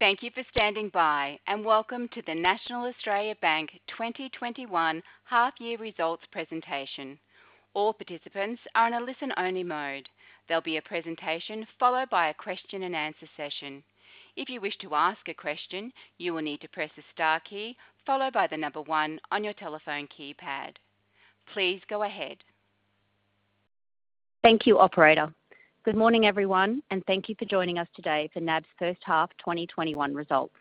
Thank you for standing by, and welcome to the National Australia Bank 2021 half-year results presentation. All participants are in a listen-only mode. There'll be a presentation followed by a question-and-answer session. If you wish to ask a question, you will need to press the star key, followed by the number one on your telephone keypad. Please go ahead. Thank you, operator. Good morning, everyone. Thank you for joining us today for NAB's first half 2021 results.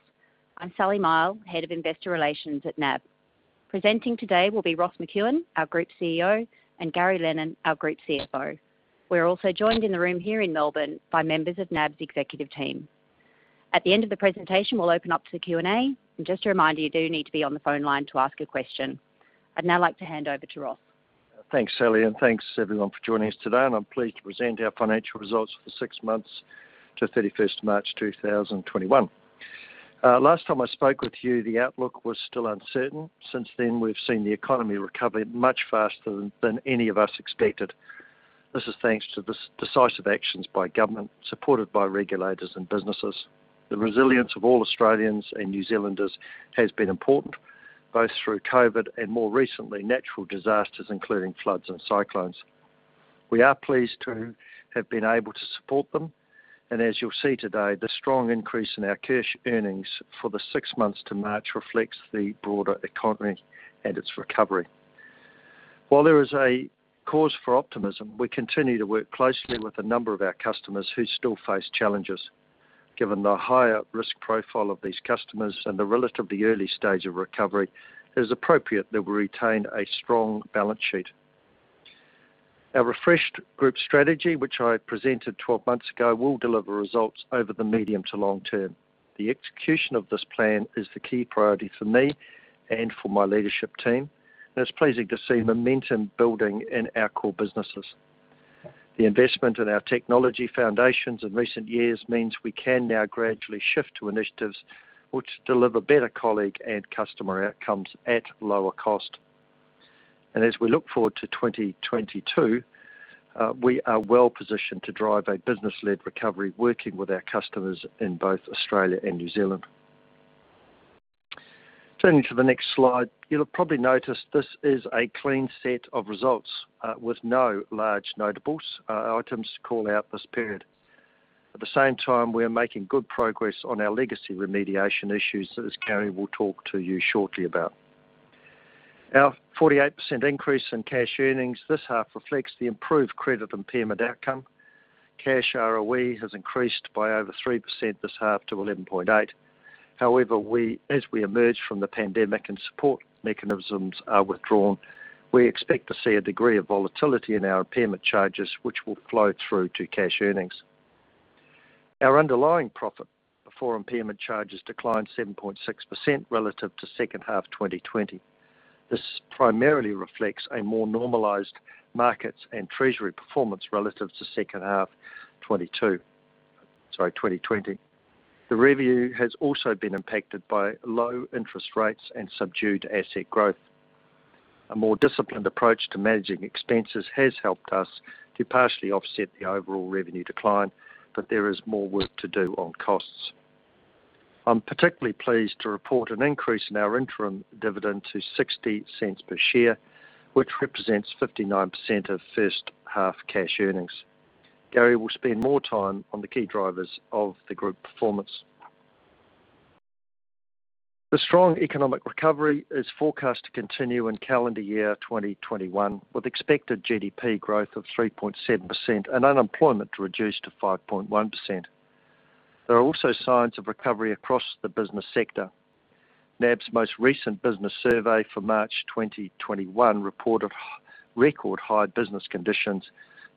I'm Sally Mihell, Head of Investor Relations at NAB. Presenting today will be Ross McEwan, our Group CEO, and Gary Lennon, our Group CFO. We're also joined in the room here in Melbourne by members of NAB's executive team. At the end of the presentation, we'll open up to the Q&A. Just a reminder, you do need to be on the phone line to ask a question. I'd now like to hand over to Ross. Thanks, Sally. Thanks, everyone, for joining us today. I'm pleased to present our financial results for six months to 31st March 2021. Last time I spoke with you, the outlook was still uncertain. Since then, we've seen the economy recover much faster than any of us expected. This is thanks to the decisive actions by government, supported by regulators and businesses. The resilience of all Australians and New Zealanders has been important, both through COVID and more recently, natural disasters, including floods and cyclones. We are pleased to have been able to support them. As you'll see today, the strong increase in our cash earnings for the six months to March reflects the broader economy and its recovery. While there is a cause for optimism, we continue to work closely with a number of our customers who still face challenges. Given the higher risk profile of these customers and the relatively early stage of recovery, it is appropriate that we retain a strong balance sheet. Our refreshed Group Strategy, which I presented 12 months ago, will deliver results over the medium to long term. The execution of this plan is the key priority for me and for my leadership team, and it's pleasing to see momentum building in our core businesses. The investment in our technology foundations in recent years means we can now gradually shift to initiatives which deliver better colleague and customer outcomes at lower cost. As we look forward to 2022, we are well-positioned to drive a business-led recovery, working with our customers in both Australia and New Zealand. Turning to the next slide, you'll probably notice this is a clean set of results with no large notable items to call out this period. At the same time, we are making good progress on our legacy remediation issues that Gary will talk to you shortly about. Our 48% increase in cash earnings this half reflects the improved credit impairment outcome. Cash ROE has increased by over 3% this half to 11.8. As we emerge from the pandemic and support mechanisms are withdrawn, we expect to see a degree of volatility in our impairment charges, which will flow through to cash earnings. Our underlying profit before impairment charges declined 7.6% relative to second half 2020. This primarily reflects a more normalized Markets & Treasury performance relative to second half 2020. The review has also been impacted by low interest rates and subdued asset growth. A more disciplined approach to managing expenses has helped us to partially offset the overall revenue decline, but there is more work to do on costs. I'm particularly pleased to report an increase in our interim dividend to 0.60 per share, which represents 59% of first-half cash earnings. Gary will spend more time on the key drivers of the group performance. The strong economic recovery is forecast to continue in calendar year 2021, with expected GDP growth of 3.7% and unemployment to reduce to 5.1%. There are also signs of recovery across the business sector. NAB's most recent business survey for March 2021 reported record-high business conditions,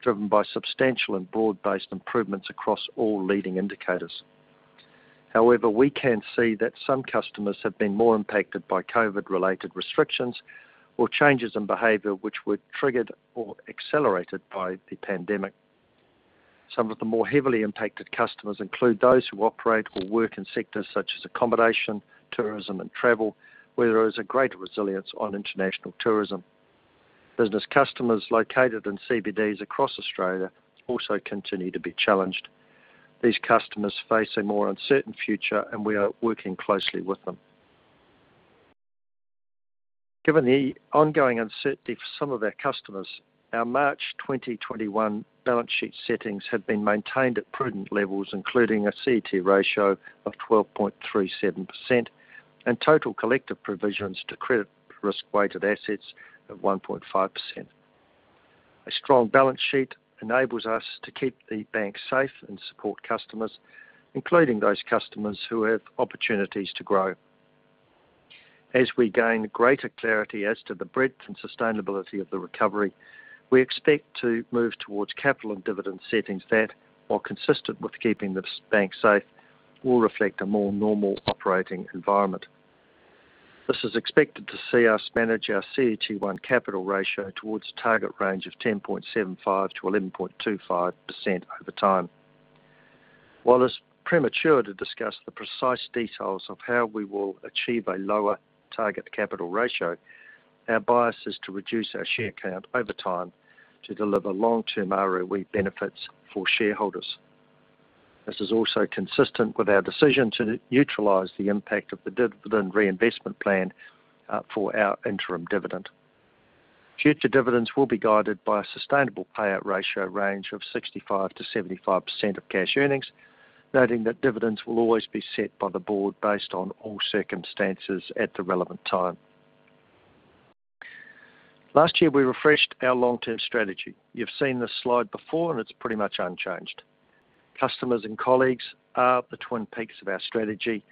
driven by substantial and broad-based improvements across all leading indicators. However, we can see that some customers have been more impacted by COVID-related restrictions or changes in behavior which were triggered or accelerated by the pandemic. Some of the more heavily impacted customers include those who operate or work in sectors such as accommodation, tourism, and travel, where there is a greater reliance on international tourism. Business customers located in CBDs across Australia also continue to be challenged. These customers face a more uncertain future, and we are working closely with them. Given the ongoing uncertainty for some of our customers, our March 2021 balance sheet settings have been maintained at prudent levels, including a CET1 ratio of 12.37% and total collective provisions to credit risk-weighted assets of 1.5%. A strong balance sheet enables us to keep the bank safe and support customers, including those customers who have opportunities to grow. As we gain greater clarity as to the breadth and sustainability of the recovery, we expect to move towards capital and dividend settings that, while consistent with keeping the bank safe, will reflect a more normal operating environment. This is expected to see us manage our CET1 capital ratio towards a target range of 10.75%-11.25% over time. While it's premature to discuss the precise details of how we will achieve a lower target capital ratio. Our bias is to reduce our share count over time to deliver long-term ROE benefits for shareholders. This is also consistent with our decision to neutralize the impact of the dividend reinvestment plan for our interim dividend. Future dividends will be guided by a sustainable payout ratio range of 65%-75% of cash earnings, noting that dividends will always be set by the board based on all circumstances at the relevant time. Last year, we refreshed our long-term strategy. You've seen this slide before, and it's pretty much unchanged. Customers and colleagues are the twin peaks of our strategy,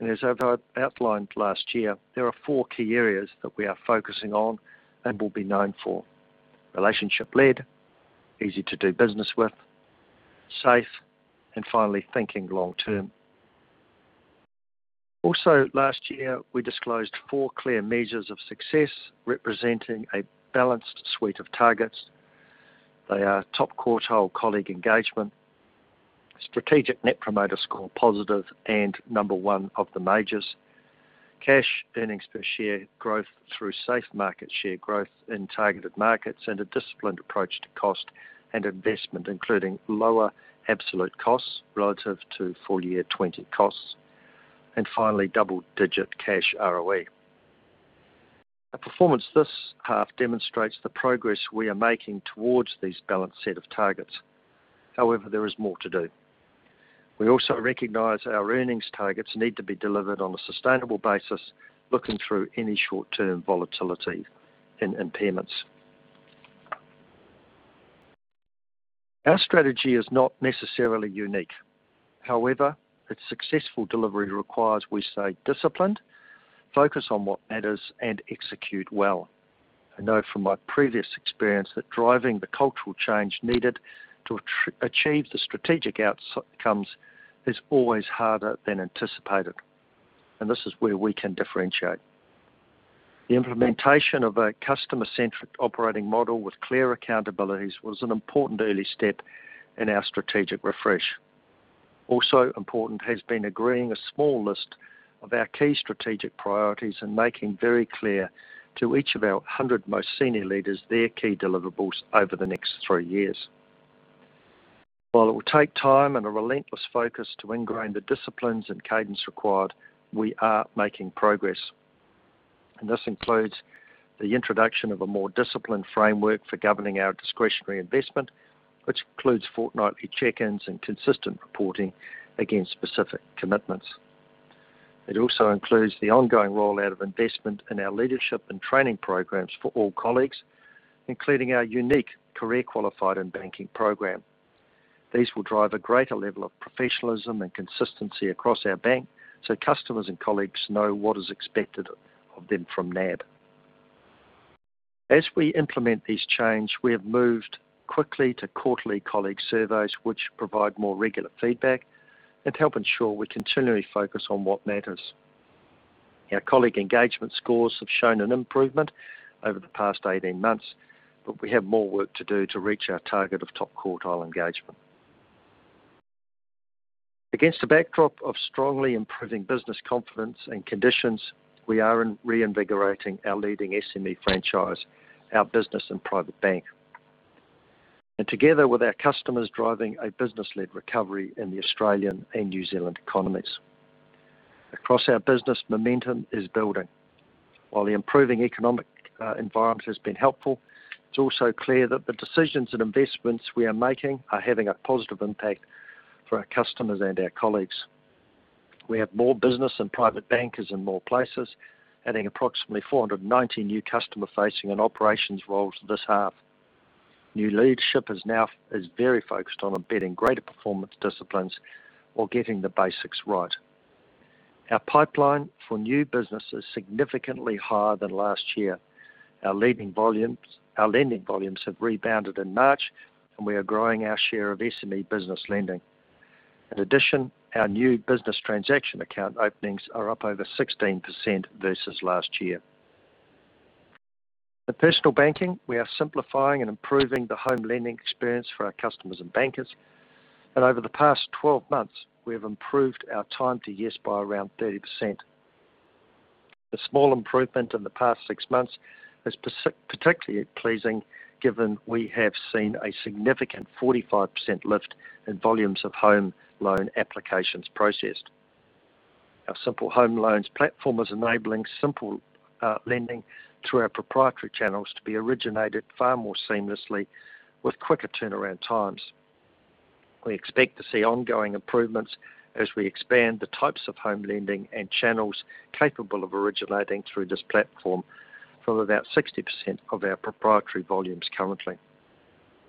and as I've outlined last year, there are four key areas that we are focusing on and will be known for. Relationship-led, easy to do business with, safe, and finally, thinking long term. Also, last year, we disclosed four clear measures of success, representing a balanced suite of targets. They are top quartile colleague engagement, strategic Net Promoter Score positive, and number one of the majors. Cash earnings per share growth through safe market share growth in targeted markets, and a disciplined approach to cost and investment, including lower absolute costs relative to FY '20 costs, and finally, double-digit cash ROE. Our performance this half demonstrates the progress we are making towards these balanced set of targets. However, there is more to do. We also recognize our earnings targets need to be delivered on a sustainable basis, looking through any short-term volatility and impairments. Our strategy is not necessarily unique. However, its successful delivery requires we stay disciplined, focus on what matters, and execute well. I know from my previous experience that driving the cultural change needed to achieve the strategic outcomes is always harder than anticipated, and this is where we can differentiate. The implementation of a customer-centric operating model with clear accountabilities was an important early step in our strategic refresh. Also important has been agreeing a small list of our key strategic priorities and making very clear to each of our 100 most senior leaders their key deliverables over the next three years. While it will take time and a relentless focus to ingrain the disciplines and cadence required, we are making progress, and this includes the introduction of a more disciplined framework for governing our discretionary investment, which includes fortnightly check-ins and consistent reporting against specific commitments. It also includes the ongoing rollout of investment in our leadership and training programs for all colleagues, including our unique Career Qualified in Banking program. These will drive a greater level of professionalism and consistency across our bank, so customers and colleagues know what is expected of them from NAB. As we implement this change, we have moved quickly to quarterly colleague surveys, which provide more regular feedback and help ensure we continually focus on what matters. Our colleague engagement scores have shown an improvement over the past 18 months, but we have more work to do to reach our target of top-quartile engagement. Against a backdrop of strongly improving business confidence and conditions, we are reinvigorating our leading SME franchise, our Business and Private Banking. Together with our customers, driving a business-led recovery in the Australian and New Zealand economies. Across our business, momentum is building. While the improving economic environment has been helpful, it's also clear that the decisions and investments we are making are having a positive impact for our customers and our colleagues. We have more business and private bankers in more places, adding approximately 490 new customer-facing and operations roles this half. New leadership is very focused on embedding greater performance disciplines while getting the basics right. Our pipeline for new business is significantly higher than last year. Our lending volumes have rebounded in March, and we are growing our share of SME business lending. In addition, our new business transaction account openings are up over 16% versus last year. In Personal Banking, we are simplifying and improving the home lending experience for our customers and bankers, and over the past 12 months, we have improved our time to yes by around 30%. The small improvement in the past six months is particularly pleasing, given we have seen a significant 45% lift in volumes of home loan applications processed. Our Simple Home Loans platform is enabling simple lending through our proprietary channels to be originated far more seamlessly with quicker turnaround times. We expect to see ongoing improvements as we expand the types of home lending and channels capable of originating through this platform from about 60% of our proprietary volumes currently.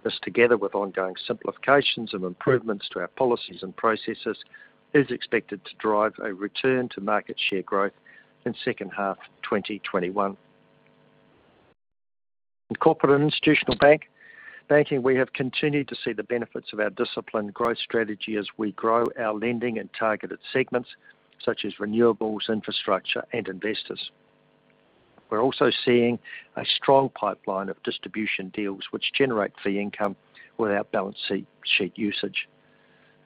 This, together with ongoing simplifications and improvements to our policies and processes, is expected to drive a return to market share growth in second half 2021. In Corporate and Institutional Banking, we have continued to see the benefits of our disciplined growth strategy as we grow our lending in targeted segments such as renewables, infrastructure, and investors. We're also seeing a strong pipeline of distribution deals which generate fee income without balance sheet usage.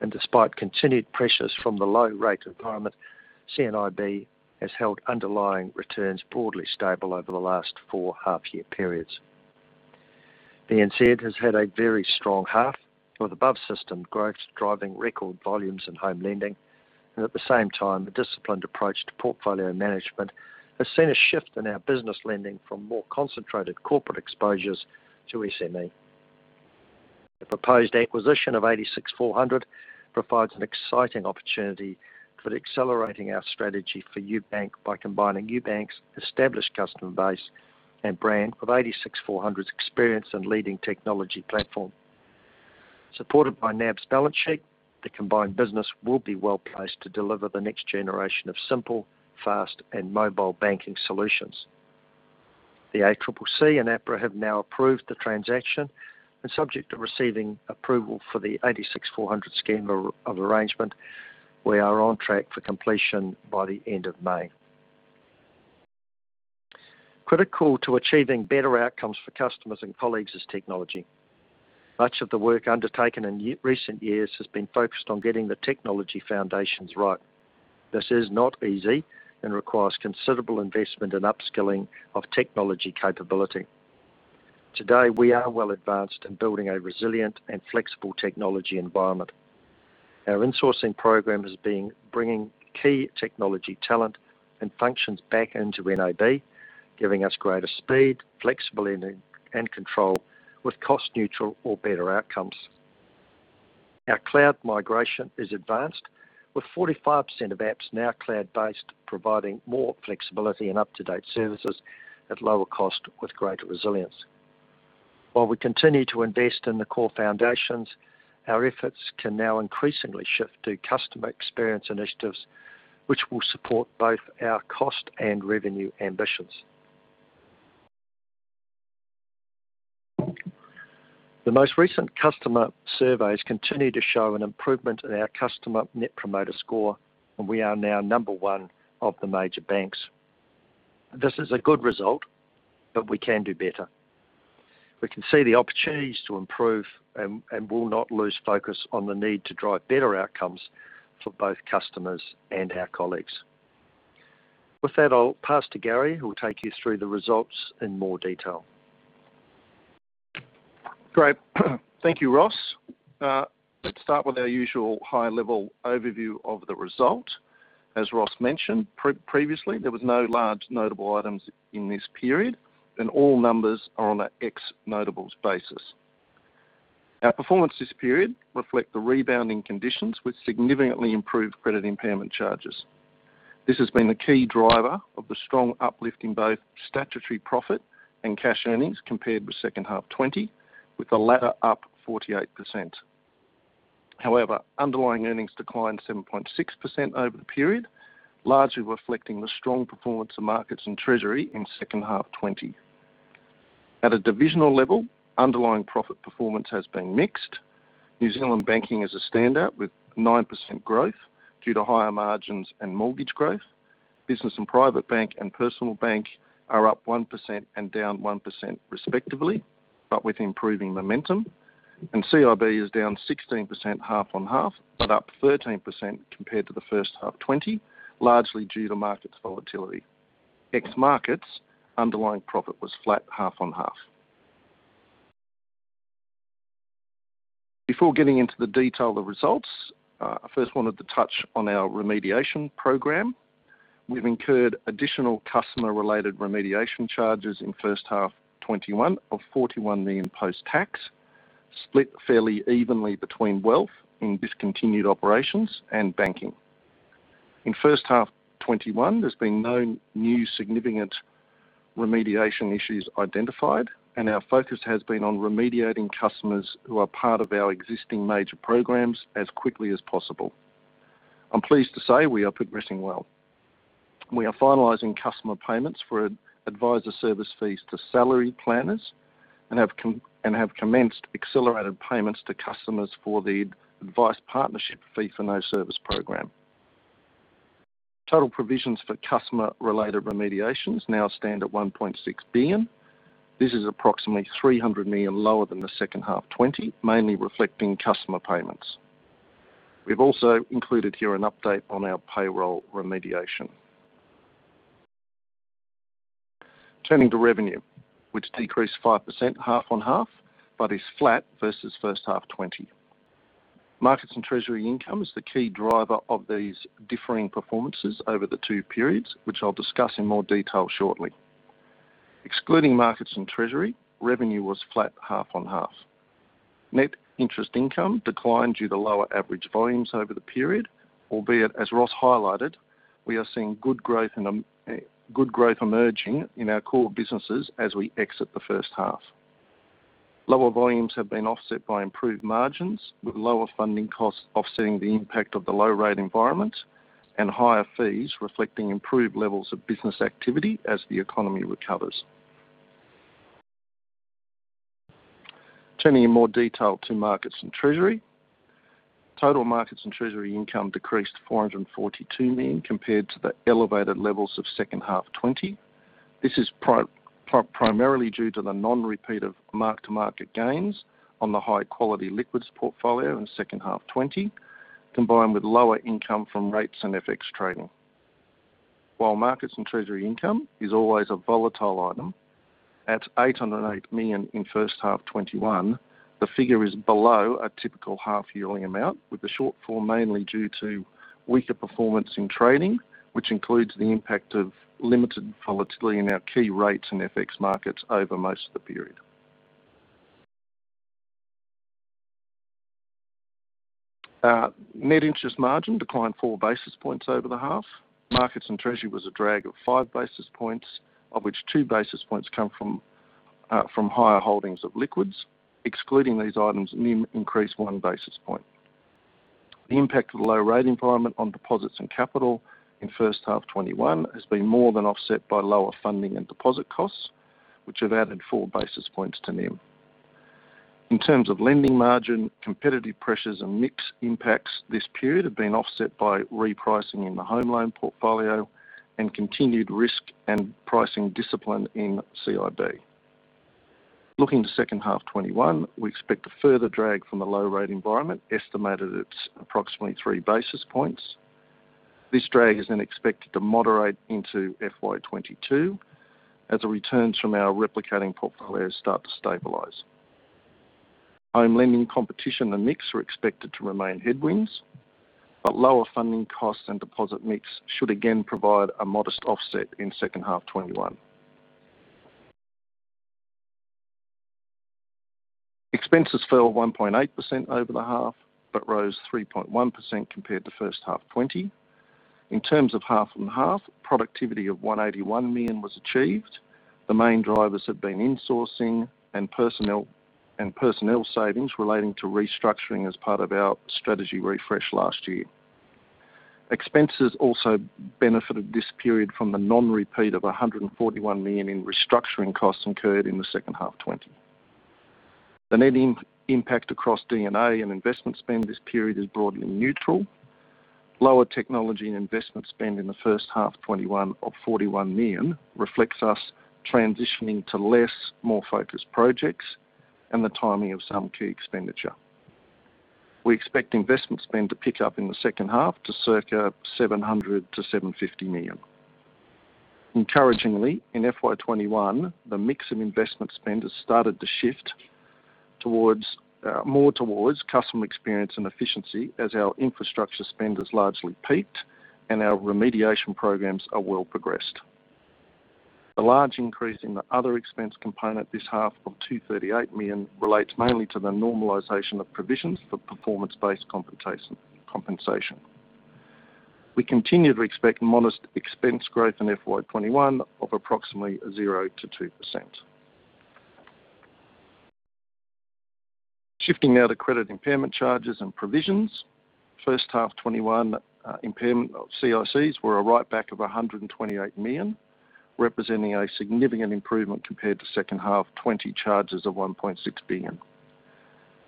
Despite continued pressures from the low-rate environment, C&IB has held underlying returns broadly stable over the last four half-year periods. BNZ has had a very strong half, with above-system growth driving record volumes in home lending, and at the same time, a disciplined approach to portfolio management has seen a shift in our business lending from more concentrated corporate exposures to SME. The proposed acquisition of 86 400 provides an exciting opportunity for accelerating our strategy for UBank by combining UBank's established customer base and brand with 86 400's experience and leading technology platform. Supported by NAB's balance sheet, the combined business will be well-placed to deliver the next generation of simple, fast, and mobile banking solutions. The ACCC and APRA have now approved the transaction, and subject to receiving approval for the 86 400 scheme of arrangement, we are on track for completion by the end of May. Critical to achieving better outcomes for customers and colleagues is technology. Much of the work undertaken in recent years has been focused on getting the technology foundations right. This is not easy and requires considerable investment and upskilling of technology capability. Today, we are well advanced in building a resilient and flexible technology environment. Our insourcing program is bringing key technology talent and functions back into NAB, giving us greater speed, flexibility, and control with cost-neutral or better outcomes. Our cloud migration is advanced, with 45% of apps now cloud-based, providing more flexibility and up-to-date services at lower cost with greater resilience. While we continue to invest in the core foundations, our efforts can now increasingly shift to customer experience initiatives, which will support both our cost and revenue ambitions. The most recent customer surveys continue to show an improvement in our customer Net Promoter Score, and we are now number one of the major banks. This is a good result, but we can do better. We can see the opportunities to improve and will not lose focus on the need to drive better outcomes for both customers and our colleagues. With that, I'll pass to Gary, who will take you through the results in more detail. Great. Thank you, Ross. Let's start with our usual high-level overview of the result. As Ross mentioned previously, there was no large notable items in this period, and all numbers are on an ex-notables basis. Our performance this period reflect the rebounding conditions, with significantly improved credit impairment charges. This has been the key driver of the strong uplift in both statutory profit and cash earnings compared with second half 20, with the latter up 48%. However, underlying earnings declined 7.6% over the period, largely reflecting the strong performance of Markets & Treasury in second half 20. At a divisional level, underlying profit performance has been mixed. New Zealand Banking is a standout, with 9% growth due to higher margins and mortgage growth. Business & Private Bank and Personal Bank are up 1% and down 1%, respectively, but with improving momentum. C&IB is down 16% half-on-half, but up 13% compared to the first half 2020, largely due to markets volatility. Ex markets, underlying profit was flat half-on-half. Before getting into the detail of the results, I first wanted to touch on our remediation program. We've incurred additional customer-related remediation charges in first half 2021 of 41 million post-tax, split fairly evenly between MLC Wealth in discontinued operations and Banking. In first half 2021, there's been no new significant remediation issues identified, and our focus has been on remediating customers who are part of our existing major programs as quickly as possible. I'm pleased to say we are progressing well. We are finalizing customer payments for advisor service fees to salaried planners and have commenced accelerated payments to customers for the Advice Partnership Fee for No Service program. Total provisions for customer-related remediations now stand at 1.6 billion. This is approximately 300 million lower than the second half 2020, mainly reflecting customer payments. We've also included here an update on our payroll remediation. Turning to revenue, which decreased 5% half-on-half, but is flat versus first half 2020. Markets & Treasury income is the key driver of these differing performances over the two periods, which I'll discuss in more detail shortly. Excluding Markets & Treasury, revenue was flat half-on-half. Net interest income declined due to lower average volumes over the period, albeit, as Ross highlighted, we are seeing good growth emerging in our core businesses as we exit the first half. Lower volumes have been offset by improved margins, with lower funding costs offsetting the impact of the low rate environment and higher fees reflecting improved levels of business activity as the economy recovers. Turning in more detail to Markets & Treasury. Total Markets & Treasury income decreased 442 million compared to the elevated levels of second half '20. This is primarily due to the non-repeat of mark-to-market gains on the high-quality liquids portfolio in second half '20, combined with lower income from rates and FX trading. While Markets & Treasury income is always a volatile item, at 808 million in first half '21, the figure is below a typical half-yearly amount, with the shortfall mainly due to weaker performance in trading, which includes the impact of limited volatility in our key rates and FX markets over most of the period. net interest margin declined 4 basis points over the half. Markets & Treasury was a drag of 5 basis points, of which 2 basis points come from higher holdings of liquids. Excluding these items, NIM increased 1 basis point. The impact of the low-rate environment on deposits and capital in H1 2021 has been more than offset by lower funding and deposit costs, which have added 4 basis points to NIM. In terms of lending margin, competitive pressures and mix impacts this period have been offset by repricing in the home loan portfolio and continued risk and pricing discipline in C&IB. Looking to second half 2021, we expect a further drag from the low rate environment, estimated at approximately 3 basis points. The drag is expected to moderate into FY 2022 as the returns from our replicating portfolios start to stabilize. Home lending competition and mix are expected to remain headwinds, lower funding costs and deposit mix should again provide a modest offset in second half 2021. Expenses fell 1.8% over the half but rose 3.1% compared to first half 2020. In terms of half on half, productivity of 181 million was achieved. The main drivers have been insourcing and personnel savings relating to restructuring as part of our strategy refresh last year. Expenses also benefited this period from the non-repeat of 141 million in restructuring costs incurred in the second half 2020. The net impact across D&A and investment spend this period is broadly neutral. Lower technology and investment spend in H1 2021 of 41 million reflects us transitioning to less, more focused projects and the timing of some key expenditure. We expect investment spend to pick up in the second half, to circa 700 million to 750 million. Encouragingly, in FY 2021, the mix of investment spend has started to shift more towards customer experience and efficiency as our infrastructure spend has largely peaked and our remediation programs are well progressed. The large increase in the other expense component this half of 238 million relates mainly to the normalization of provisions for performance-based compensation. We continue to expect modest expense growth in FY '21 of approximately 0%-2%. Shifting now to credit impairment charges and provisions. First half '21 impairment of CICs were a write-back of 128 million, representing a significant improvement compared to second half '20 charges of 1.6 billion.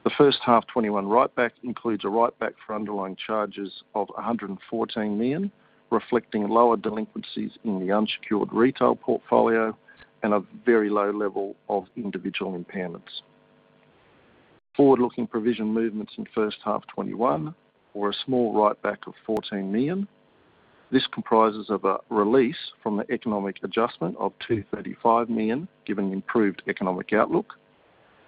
The first half '21 write-back includes a write-back for underlying charges of 114 million, reflecting lower delinquencies in the unsecured retail portfolio and a very low level of individual impairments. Forward-looking provision movements in first half '21 were a small write-back of 14 million. This comprises of a release from the economic adjustment of 235 million, given improved economic outlook,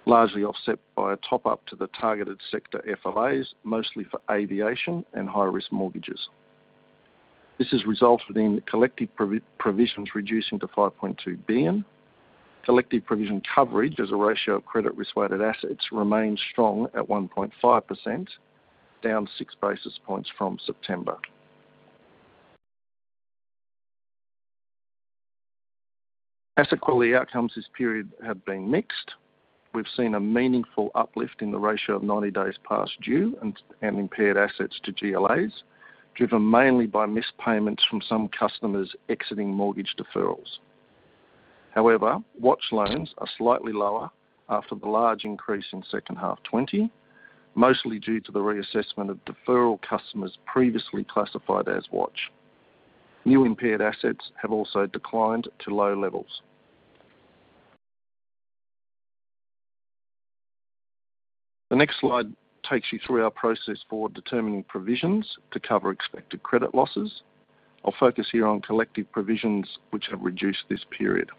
largely offset by a top-up to the targeted sector FLAs, mostly for aviation and high-risk mortgages. This has resulted in collective provisions reducing to 5.2 billion. Collective provision coverage as a ratio of credit risk-weighted assets remains strong at 1.5%, down 6 basis points from September. Asset quality outcomes this period have been mixed. We've seen a meaningful uplift in the ratio of 90 days past due and impaired assets to GLAs, driven mainly by missed payments from some customers exiting mortgage deferrals. Watch loans are slightly lower after the large increase in second half 2020, mostly due to the reassessment of deferral customers previously classified as watch. New impaired assets have also declined to low levels. The next slide takes you through our process for determining provisions to cover expected credit losses. I'll focus here on collective provisions which have reduced this period.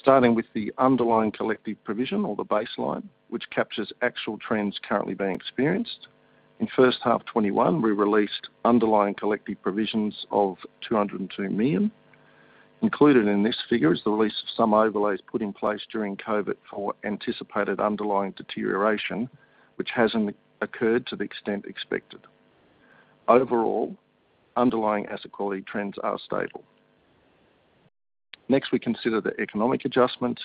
Starting with the underlying collective provision or the baseline, which captures actual trends currently being experienced. In first half 2021, we released underlying collective provisions of 202 million. Included in this figure is the release of some overlays put in place during COVID for anticipated underlying deterioration, which hasn't occurred to the extent expected. Overall, underlying asset quality trends are stable. Next, we consider the economic adjustment.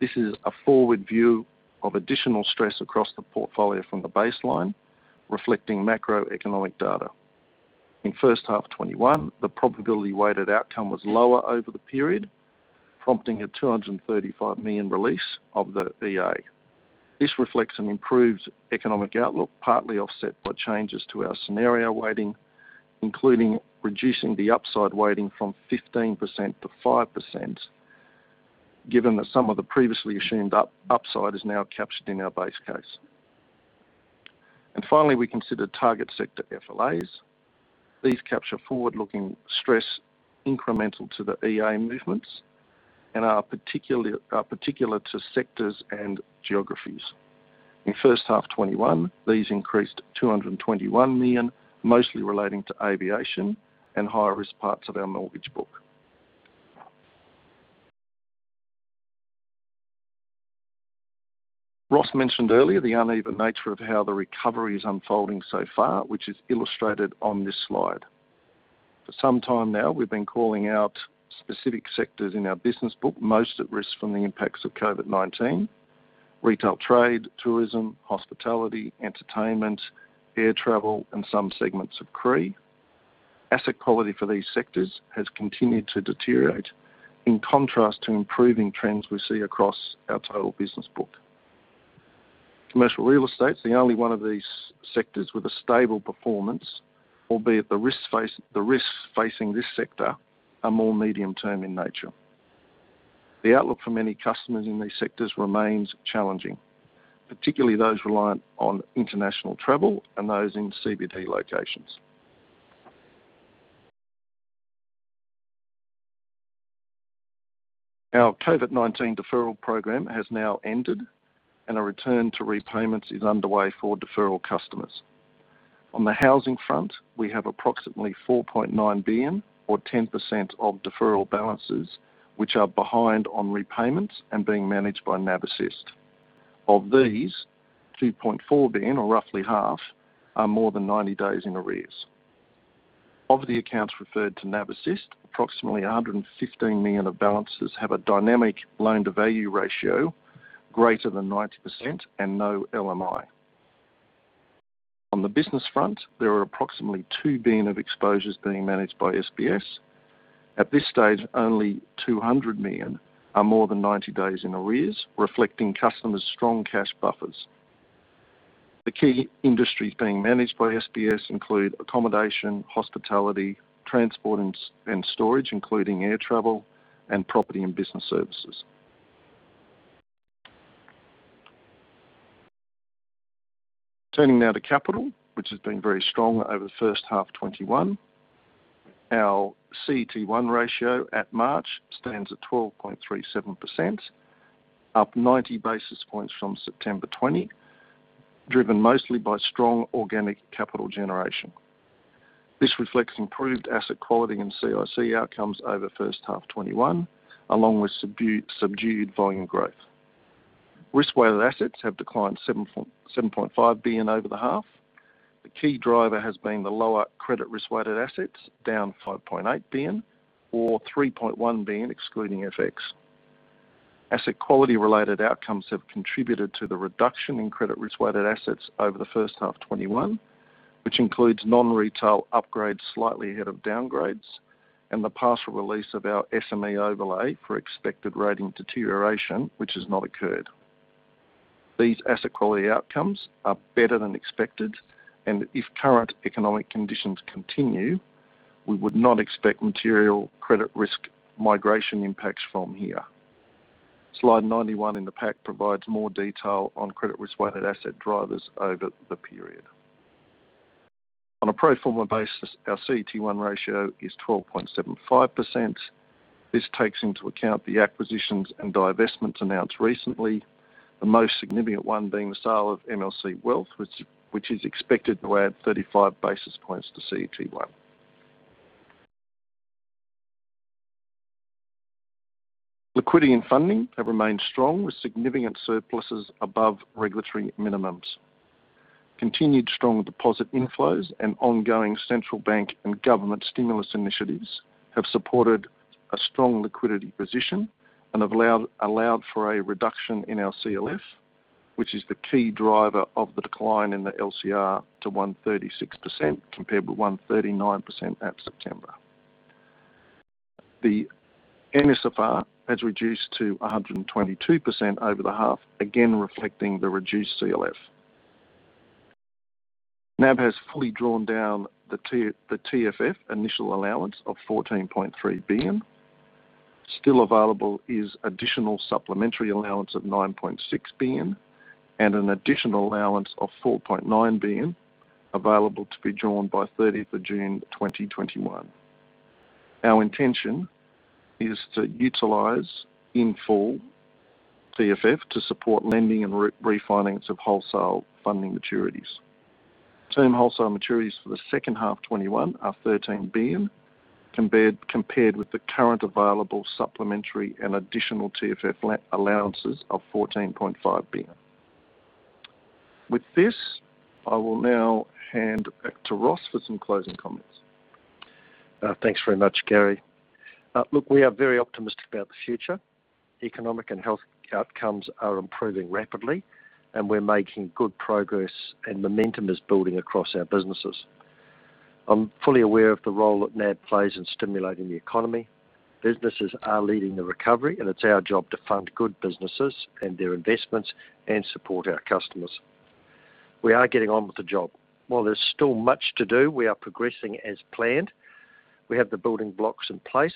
This is a forward view of additional stress across the portfolio from the baseline, reflecting macroeconomic data. In first half 2021, the probability weighted outcome was lower over the period, prompting a 235 million release of the EA. This reflects an improved economic outlook, partly offset by changes to our scenario weighting, including reducing the upside weighting from 15% to 5%, given that some of the previously assumed upside is now captured in our base case. Finally, we consider target sector FLAs. These capture forward-looking stress incremental to the EA movements and are particular to sectors and geographies. In H1 2021, these increased 221 million, mostly relating to aviation and higher risk parts of our mortgage book. Ross mentioned earlier the uneven nature of how the recovery is unfolding so far, which is illustrated on this slide. For some time now, we've been calling out specific sectors in our business book most at risk from the impacts of COVID-19: retail, trade, tourism, hospitality, entertainment, air travel, and some segments of CRE. Asset quality for these sectors has continued to deteriorate, in contrast to improving trends we see across our total business book. Commercial real estate is the only one of these sectors with a stable performance, albeit the risks facing this sector are more medium-term in nature. The outlook for many customers in these sectors remains challenging, particularly those reliant on international travel and those in CBD locations. Our COVID-19 deferral program has now ended, and a return to repayments is underway for deferral customers. On the housing front, we have approximately 4.9 billion or 10% of deferral balances, which are behind on repayments and being managed by NAB Assist. Of these, 2.4 billion, or roughly half, are more than 90 days in arrears. Of the accounts referred to NAB Assist, approximately 115 million of balances have a dynamic loan-to-value ratio greater than 90% and no LMI. On the business front, there are approximately 2 billion of exposures being managed by SBS. At this stage, only 200 million are more than 90 days in arrears, reflecting customers' strong cash buffers. The key industries being managed by SBS include accommodation, hospitality, transport, and storage, including air travel, and property and business services. Turning now to capital, which has been very strong over the first half of 2021. Our CET1 ratio at March stands at 12.37%, up 90 basis points from September 20, driven mostly by strong organic capital generation. This reflects improved asset quality and CIC outcomes over first half of 2021, along with subdued volume growth. Risk-weighted assets have declined 7.5 billion over the half. The key driver has been the lower credit risk-weighted assets, down 5.8 billion or 3.1 billion, excluding FX. Asset quality-related outcomes have contributed to the reduction in credit risk-weighted assets over the first half of 2021, which includes non-retail upgrades slightly ahead of downgrades and the partial release of our SME overlay for expected rating deterioration, which has not occurred. These asset quality outcomes are better than expected, and if current economic conditions continue, we would not expect material credit risk migration impacts from here. Slide 91 in the pack provides more detail on credit risk-weighted asset drivers over the period. On a pro forma basis, our CET1 ratio is 12.75%. This takes into account the acquisitions and divestments announced recently, the most significant one being the sale of MLC Wealth, which is expected to add 35 basis points to CET1. Liquidity and funding have remained strong, with significant surpluses above regulatory minimums. Continued strong deposit inflows and ongoing central bank and government stimulus initiatives have supported a strong liquidity position and have allowed for a reduction in our CLF, which is the key driver of the decline in the LCR to 136%, compared with 139% at September. The NSFR has reduced to 122% over the half, again reflecting the reduced CLF. NAB has fully drawn down the TFF initial allowance of 14.3 billion. Still available is additional supplementary allowance of 9.6 billion and an additional allowance of 4.9 billion available to be drawn by 30th of June 2021. Our intention is to utilize in full TFF to support lending and refinancing of wholesale funding maturities. Term wholesale maturities for the second half of FY '21 are 13 billion, compared with the current available supplementary and additional TFF allowances of 14.5 billion. With this, I will now hand back to Ross for some closing comments. Thanks very much, Gary. Look, we are very optimistic about the future. Economic and health outcomes are improving rapidly, and we're making good progress, and momentum is building across our businesses. I'm fully aware of the role that NAB plays in stimulating the economy. Businesses are leading the recovery, and it's our job to fund good businesses and their investments and support our customers. We are getting on with the job. While there's still much to do, we are progressing as planned. We have the building blocks in place,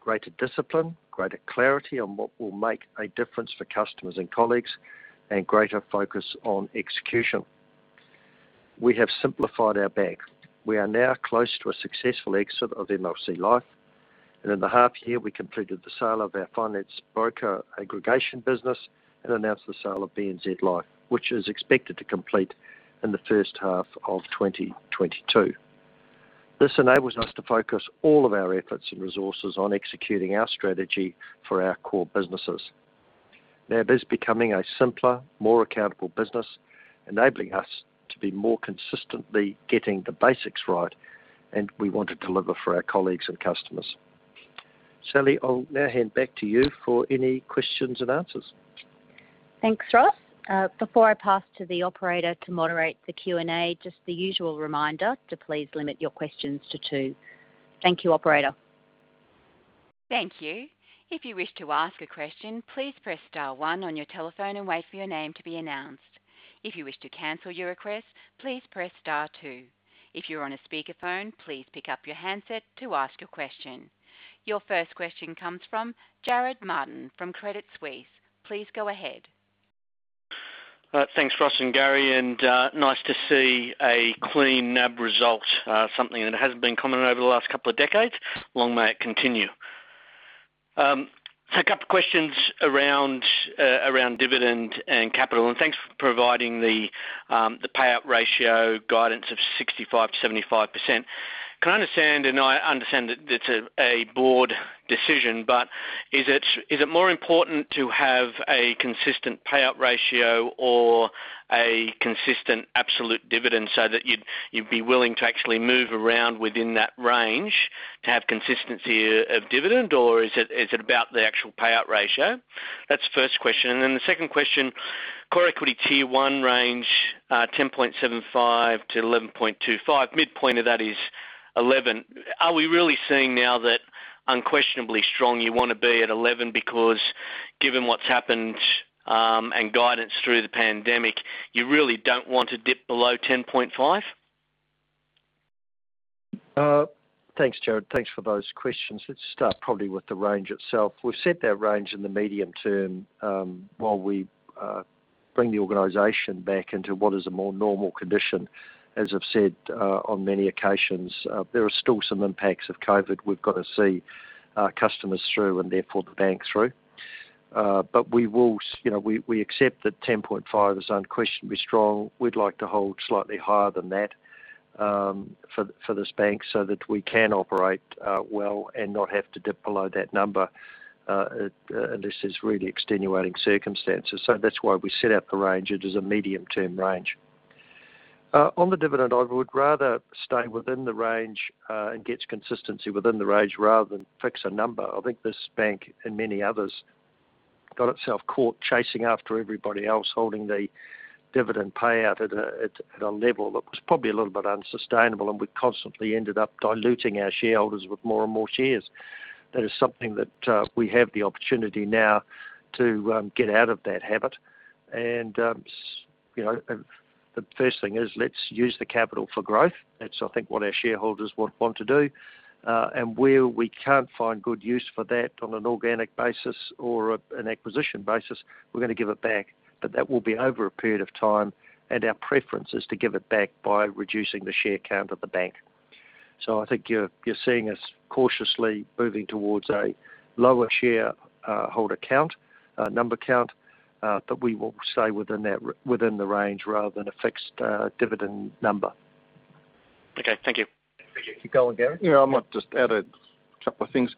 greater discipline, greater clarity on what will make a difference for customers and colleagues, and greater focus on execution. We have simplified our bank. We are now close to a successful exit of MLC Life, and in the half year, we completed the sale of our finance broker aggregation business and announced the sale of BNZ Life, which is expected to complete in the first half of 2022. This enables us to focus all of our efforts and resources on executing our strategy for our core businesses. NAB is becoming a simpler, more accountable business, enabling us to be more consistently getting the basics right, and we want to deliver for our colleagues and customers. Sally, I'll now hand back to you for any questions and answers. Thanks, Ross. Before I pass to the operator to moderate the Q&A, just the usual reminder to please limit your questions to two. Thank you, operator. Thank you. If you wish to ask a question, please press star one on your telephone and wait for your name to be announced. If you wish to cancel your request, please press star two. If you are on a speakerphone, please pick up your handset to ask your question. Your first question comes from Jarrod Martin from Credit Suisse. Please go ahead. Thanks, Ross and Gary, nice to see a clean NAB result, something that hasn't been common over the last couple of decades. Long may it continue. A couple questions around dividend and capital. Thanks for providing the payout ratio guidance of 65%-75%. Can I understand, and I understand that it's a board decision, but is it more important to have a consistent payout ratio or a consistent absolute dividend so that you'd be willing to actually move around within that range to have consistency of dividend, or is it about the actual payout ratio? That's the first question. The second question, core equity tier one range, 10.75%-11.25%. Midpoint of that is 11%. Are we really seeing now that unquestionably strong you want to be at 11, because given what's happened, and guidance through the pandemic, you really don't want to dip below 10.5? Thanks, Jarrod. Thanks for those questions. Let's start probably with the range itself. We've set that range in the medium term, while we bring the organization back into what is a more normal condition. As I've said on many occasions, there are still some impacts of COVID. We've got to see our customers through, and therefore the bank through. We accept that 10.5 is unquestionably strong. We'd like to hold slightly higher than that for this bank so that we can operate well and not have to dip below that number, unless there's really extenuating circumstances. That's why we set out the range. It is a medium-term range. On the dividend, I would rather stay within the range and get consistency within the range rather than fix a number. I think this bank and many others got itself caught chasing after everybody else, holding the dividend payout at a level that was probably a little bit unsustainable, and we constantly ended up diluting our shareholders with more and more shares. That is something that we have the opportunity now to get out of that habit. The first thing is let's use the capital for growth. That's, I think, what our shareholders would want to do. Where we can't find good use for that on an organic basis or an acquisition basis, we're going to give it back. That will be over a period of time, and our preference is to give it back by reducing the share count of the bank. I think you're seeing us cautiously moving towards a lower shareholder account, number count, but we will stay within the range rather than a fixed dividend number. Okay. Thank you. Keep going, Gary. Yeah. I might just add a couple of things.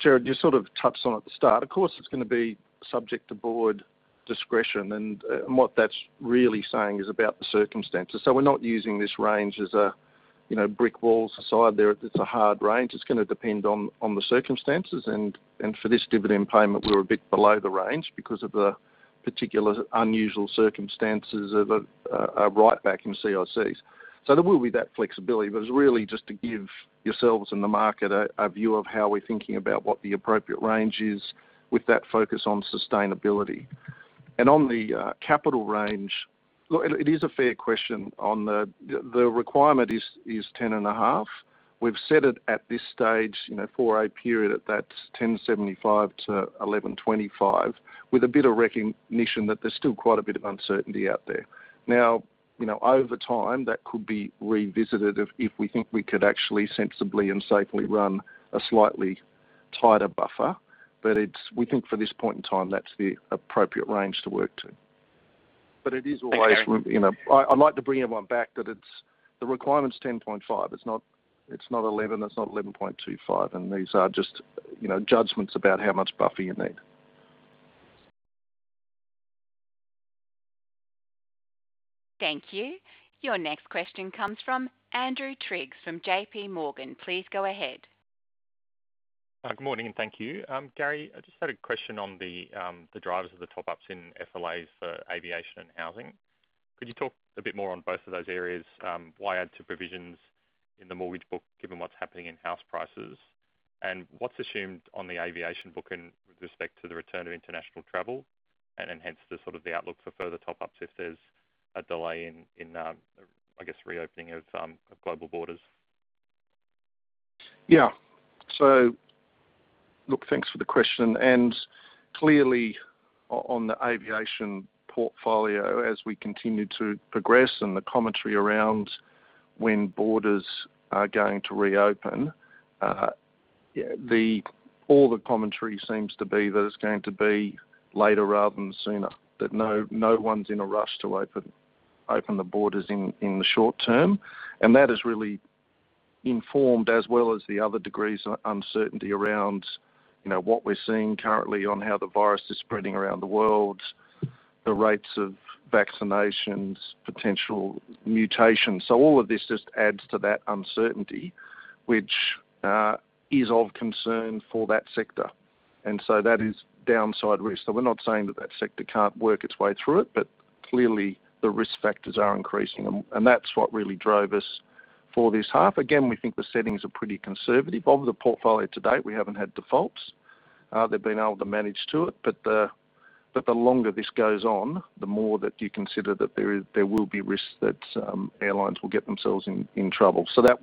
Jarrod, you sort of touched on it at the start. Of course, it's going to be subject to board discretion, and what that's really saying is about the circumstances. We're not using this range as a brick wall aside there. It's a hard range. It's going to depend on the circumstances, and for this dividend payment, we were a bit below the range because of the particular unusual circumstances of a write-back in CICs. There will be that flexibility, but it's really just to give yourselves and the market a view of how we're thinking about what the appropriate range is with that focus on sustainability. On the capital range, look, it is a fair question. The requirement is 10.5. We've set it at this stage, for a period at that 10.75%-11.25%, with a bit of recognition that there's still quite a bit of uncertainty out there. Over time, that could be revisited if we think we could actually sensibly and safely run a slightly tighter buffer. We think for this point in time, that's the appropriate range to work to. Okay. I'd like to bring everyone back that the requirement's 10.5. It's not 11. It's not 11.25. These are just judgments about how much buffer you need. Thank you. Your next question comes from Andrew Triggs from JPMorgan. Please go ahead. Good morning, and thank you. Gary, I just had a question on the drivers of the top-ups in FLAs for aviation and housing. Could you talk a bit more on both of those areas? Why add to provisions in the mortgage book, given what's happening in house prices? What's assumed on the aviation book with respect to the return of international travel? Hence, the sort of the outlook for further top-ups if there's a delay in, I guess, reopening of global borders? Look, thanks for the question. Clearly, on the aviation portfolio, as we continue to progress and the commentary around when borders are going to reopen, all the commentary seems to be that it's going to be later rather than sooner. That no one's in a rush to open the borders in the short term. That has really informed as well as the other degrees of uncertainty around what we're seeing currently on how the virus is spreading around the world, the rates of vaccinations, potential mutations. All of this just adds to that uncertainty, which is of concern for that sector. That is downside risk. We're not saying that that sector can't work its way through it, but clearly, the risk factors are increasing. That's what really drove us for this half. Again, we think the settings are pretty conservative. Of the portfolio to date, we haven't had defaults. They've been able to manage to it. The longer this goes on, the more that you consider that there will be risks that airlines will get themselves in trouble. That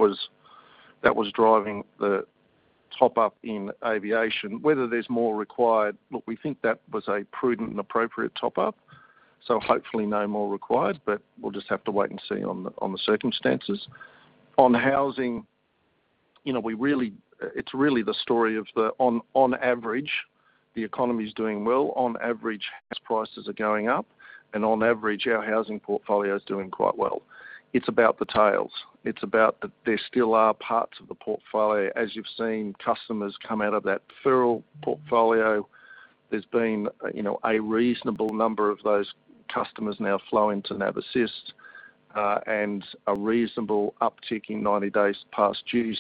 was driving the top-up in aviation. Whether there's more required, look, we think that was a prudent and appropriate top-up, so hopefully no more required, but we'll just have to wait and see on the circumstances. On housing, it's really the story of on average, the economy's doing well. On average, house prices are going up. On average, our housing portfolio is doing quite well. It's about the tails. It's about that there still are parts of the portfolio, as you've seen customers come out of that deferral portfolio. There's been a reasonable number of those customers now flowing to NAB Assist. A reasonable uptick in 90 days past due.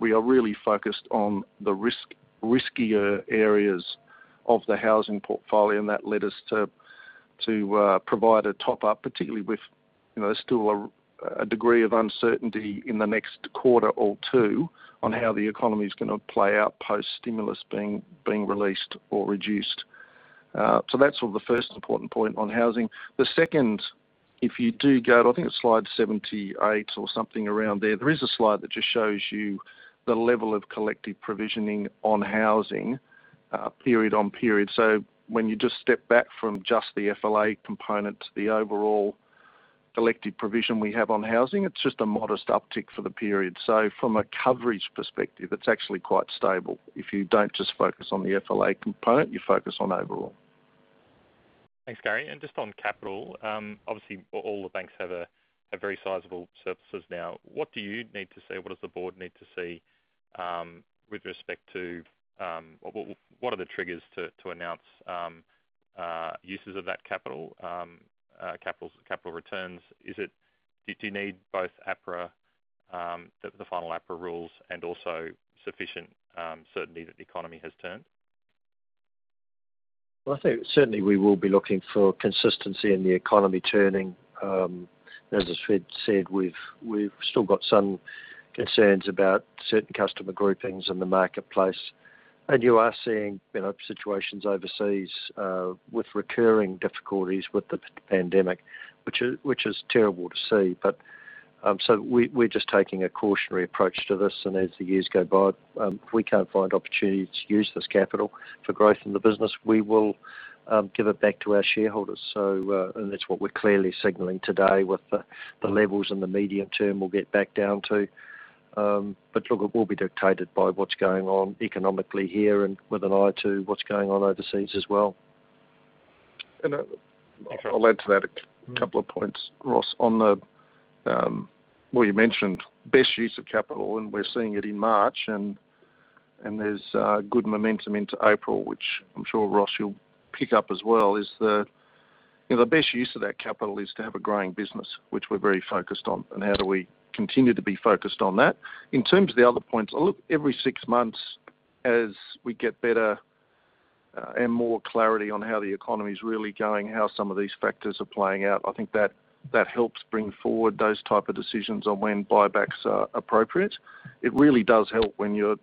We are really focused on the riskier areas of the housing portfolio, and that led us to provide a top-up, particularly with still a degree of uncertainty in the next quarter or two on how the economy's going to play out post-stimulus being released or reduced. That's the first important point on housing. The second, if you do go to, I think it's slide 78 or something around there. There is a slide that just shows you the level of collective provisioning on housing, period on period. When you just step back from just the FLA component to the overall collective provision we have on housing, it's just a modest uptick for the period. From a coverage perspective, it's actually quite stable. If you don't just focus on the FLA component, you focus on overall. Thanks, Gary. Just on capital, obviously, all the banks have very sizable surpluses now. What do you need to see? What are the triggers to announce uses of that capital returns? Do you need both the final APRA rules and also sufficient certainty that the economy has turned? Well, I think certainly we will be looking for consistency in the economy turning. As I said, we've still got some concerns about certain customer groupings in the marketplace. You are seeing situations overseas, with recurring difficulties with the pandemic, which is terrible to see. We're just taking a cautionary approach to this, and as the years go by, if we can't find opportunities to use this capital for growth in the business, we will give it back to our shareholders. That's what we're clearly signaling today, with the levels in the medium term we'll get back down to. Look, it will be dictated by what's going on economically here and with an eye to what's going on overseas as well. I'll add to that a couple of points, Ross. You mentioned best use of capital, and we're seeing it in March, and there's good momentum into April, which I'm sure Ross you'll pick up as well. The best use of that capital is to have a growing business, which we're very focused on, and how do we continue to be focused on that? In terms of the other points, look, every six months as we get better and more clarity on how the economy's really going, how some of these factors are playing out, I think that helps bring forward those type of decisions on when buybacks are appropriate. It really does help when your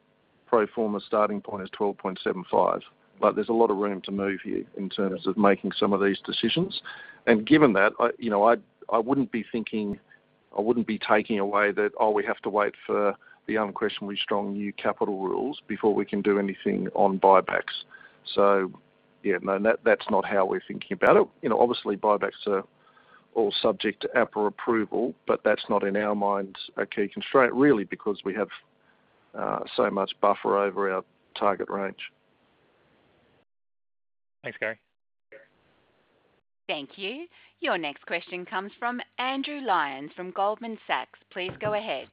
pro forma starting point is 12.75, but there's a lot of room to move here in terms of making some of these decisions. Given that, I wouldn't be taking away that, oh, we have to wait for the unquestionably strong new capital rules before we can do anything on buybacks. Yeah, no, that's not how we're thinking about it. Obviously, buybacks are all subject to APRA approval, but that's not in our minds a key constraint, really, because we have so much buffer over our target range. Thanks, Gary. Thank you. Your next question comes from Andrew Lyons from Goldman Sachs. Please go ahead.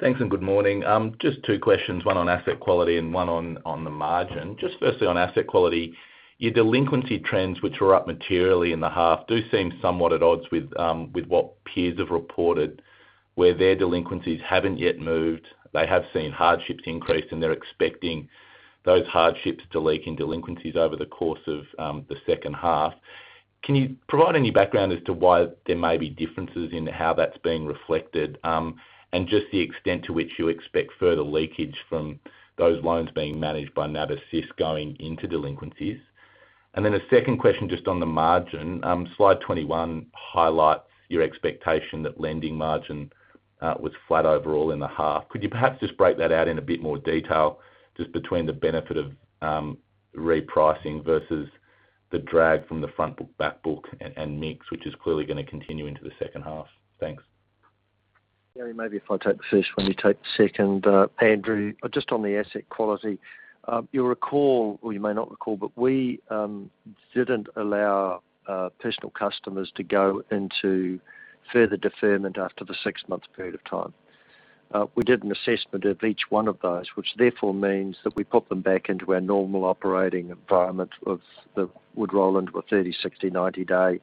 Thanks, good morning. Just two questions, one on asset quality and one on the margin. Just firstly, on asset quality, your delinquency trends, which were up materially in the half, do seem somewhat at odds with what peers have reported, where their delinquencies haven't yet moved. They have seen hardships increase; they're expecting those hardships to leak in delinquencies over the course of the second half. Can you provide any background as to why there may be differences in how that's being reflected? Just the extent to which you expect further leakage from those loans being managed by NAB Assist going into delinquencies. A second question just on the margin. Slide 21 highlights your expectation that lending margin was flat overall in the half. Could you perhaps just break that out in a bit more detail, just between the benefit of repricing versus the drag from the front book, back book, and mix, which is clearly going to continue into the second half? Thanks. Gary, maybe if I take the first one, you take the second. Andrew, just on the asset quality. You'll recall, or you may not recall, but we didn't allow personal customers to go into further deferment after the six-month period of time. We did an assessment of each one of those, which therefore means that we put them back into our normal operating environment, that would roll into a 30, 60, 90-day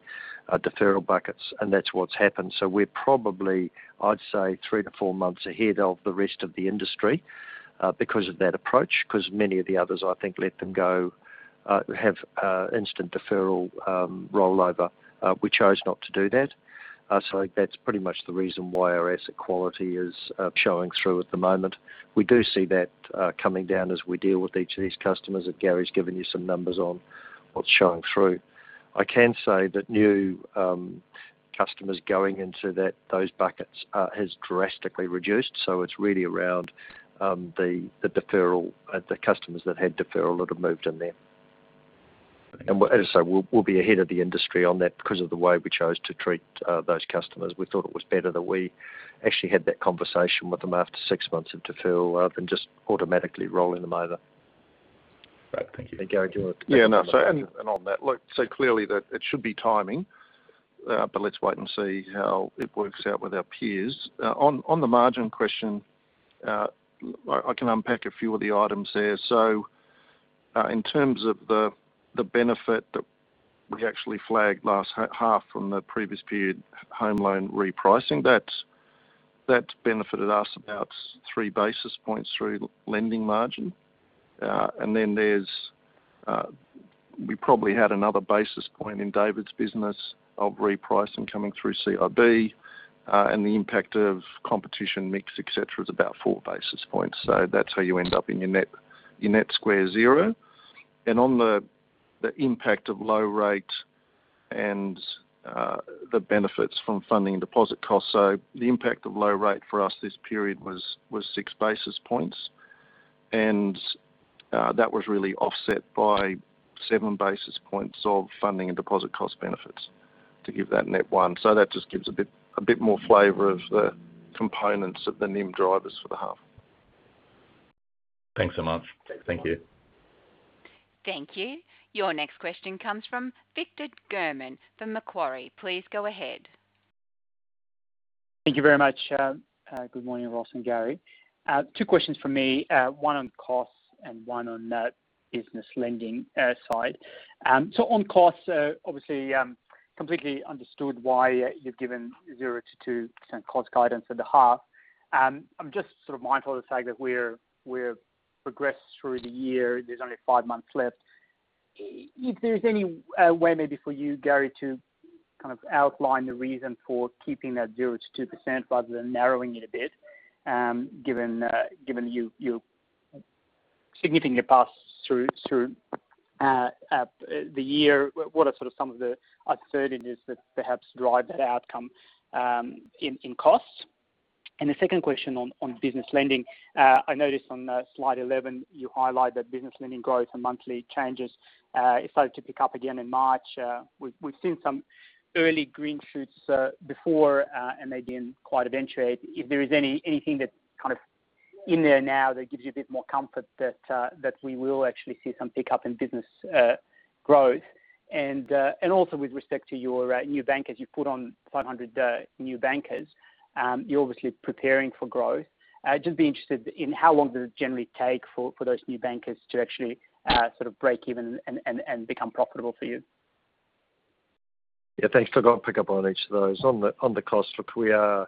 deferral buckets, and that's what's happened. We're probably, I'd say, three to four months ahead of the rest of the industry because of that approach, because many of the others, I think, let them go have instant deferral rollover. We chose not to do that. That's pretty much the reason why our asset quality is showing through at the moment. We do see that coming down as we deal with each of these customers, that Gary's given you some numbers on what's showing through. I can say that new customers going into those buckets has drastically reduced, it's really around the deferral, the customers that had deferral that have moved in there. As I say, we'll be ahead of the industry on that because of the way we chose to treat those customers. We thought it was better that we actually had that conversation with them after six months of deferral, rather than just automatically rolling them over. Great. Thank you. Gary, do you want to? Yeah, no. On that, clearly that it should be timing, but let's wait and see how it works out with our peers. On the margin question, I can unpack a few of the items there. In terms of the benefit that we actually flagged last half from the previous period home loan repricing, that's benefited us about 3 basis points through lending margin. We probably had another basis point in David's business of repricing coming through C&IB, and the impact of competition mix, et cetera, is about 4 basis points. That's how you end up in your net square zero. On the impact of low rate and the benefits from funding and deposit costs. The impact of low rate for us this period was 6 basis points, and that was really offset by 7 basis points of funding and deposit cost benefits to give that net one. That just gives a bit more flavor of the components of the NIM drivers for the half. Thanks so much. Thank you. Thank you. Your next question comes from Victor German from Macquarie. Please go ahead. Thank you very much. Good morning, Ross and Gary. Two questions from me, one on costs and one on the business lending side. On costs, obviously, completely understood why you've given 0% to 2% cost guidance at the half. I'm just sort of mindful of the fact that we've progressed through the year. There's only five months left. If there's any way, maybe for you, Gary, to kind of outline the reason for keeping that 0% to 2% rather than narrowing it a bit, given you're significantly passed through the year. What are sort of some of the uncertainties that perhaps drive that outcome in costs? The second question on business lending. I noticed on slide 11, you highlight that business lending growth and monthly changes started to pick up again in March. We've seen some early green shoots before, and they didn't quite eventuate. If there is anything that's kind of in there now that gives you a bit more comfort that we will actually see some pickup in business growth. Also, with respect to your new bankers, you've put on 500 new bankers. You're obviously preparing for growth. Just be interested in how long does it generally take for those new bankers to actually sort of break even and become profitable for you? Yeah, thanks. I'll pick up on each of those. On the cost, look, we are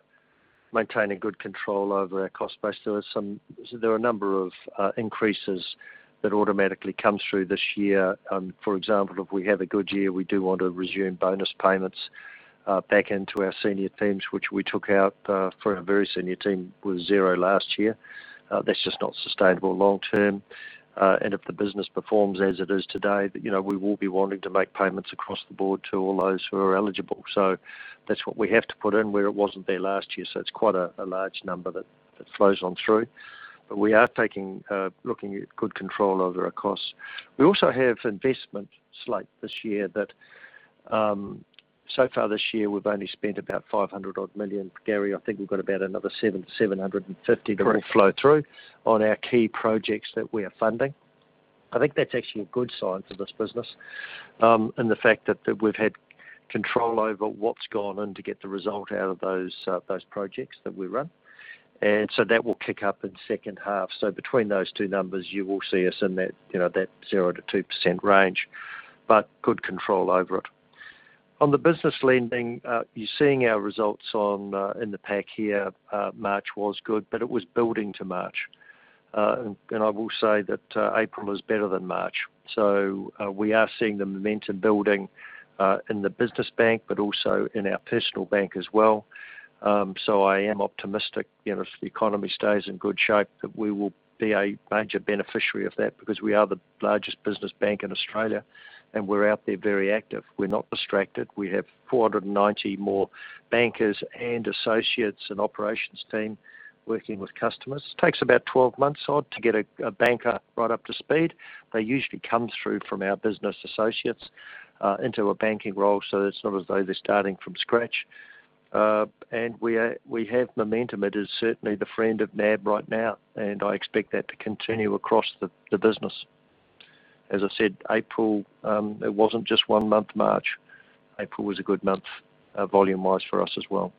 maintaining good control over our cost base. There are a number of increases that automatically come through this year. For example, if we have a good year, we do want to resume bonus payments back into our senior teams, which we took out for a very senior team with zero last year. That's just not sustainable long-term. If the business performs as it is today, we will be wanting to make payments across the board to all those who are eligible. That's what we have to put in where it wasn't there last year. It's quite a large number that flows on through. We are looking at good control over our costs. We also have investment slate this year that so far this year, we've only spent about 500 odd million. Gary, I think we've got about another 700 to 750 that will flow through on our key projects that we are funding. I think that's actually a good sign for this business, and the fact that we've had control over what's gone in to get the result out of those projects that we run. That will kick up in second half. Between those two numbers, you will see us in that 0%-2% range, but good control over it. On the business lending, you're seeing our results in the pack here. March was good, but it was building to March. I will say that April is better than March. We are seeing the momentum building in the Business and Private Banking, but also in our Personal Banking as well. I am optimistic, if the economy stays in good shape, that we will be a major beneficiary of that because we are the largest business bank in Australia, and we're out there very active. We're not distracted. We have 490 more bankers and associates, and operations team working with customers. Takes about 12 months odd to get a banker right up to speed. They usually come through from our business associates, into a banking role. It's not as though they're starting from scratch. We have momentum. It is certainly the friend of NAB right now, and I expect that to continue across the business. As I said, April, it wasn't just one month, March. April was a good month volume wise for us as well.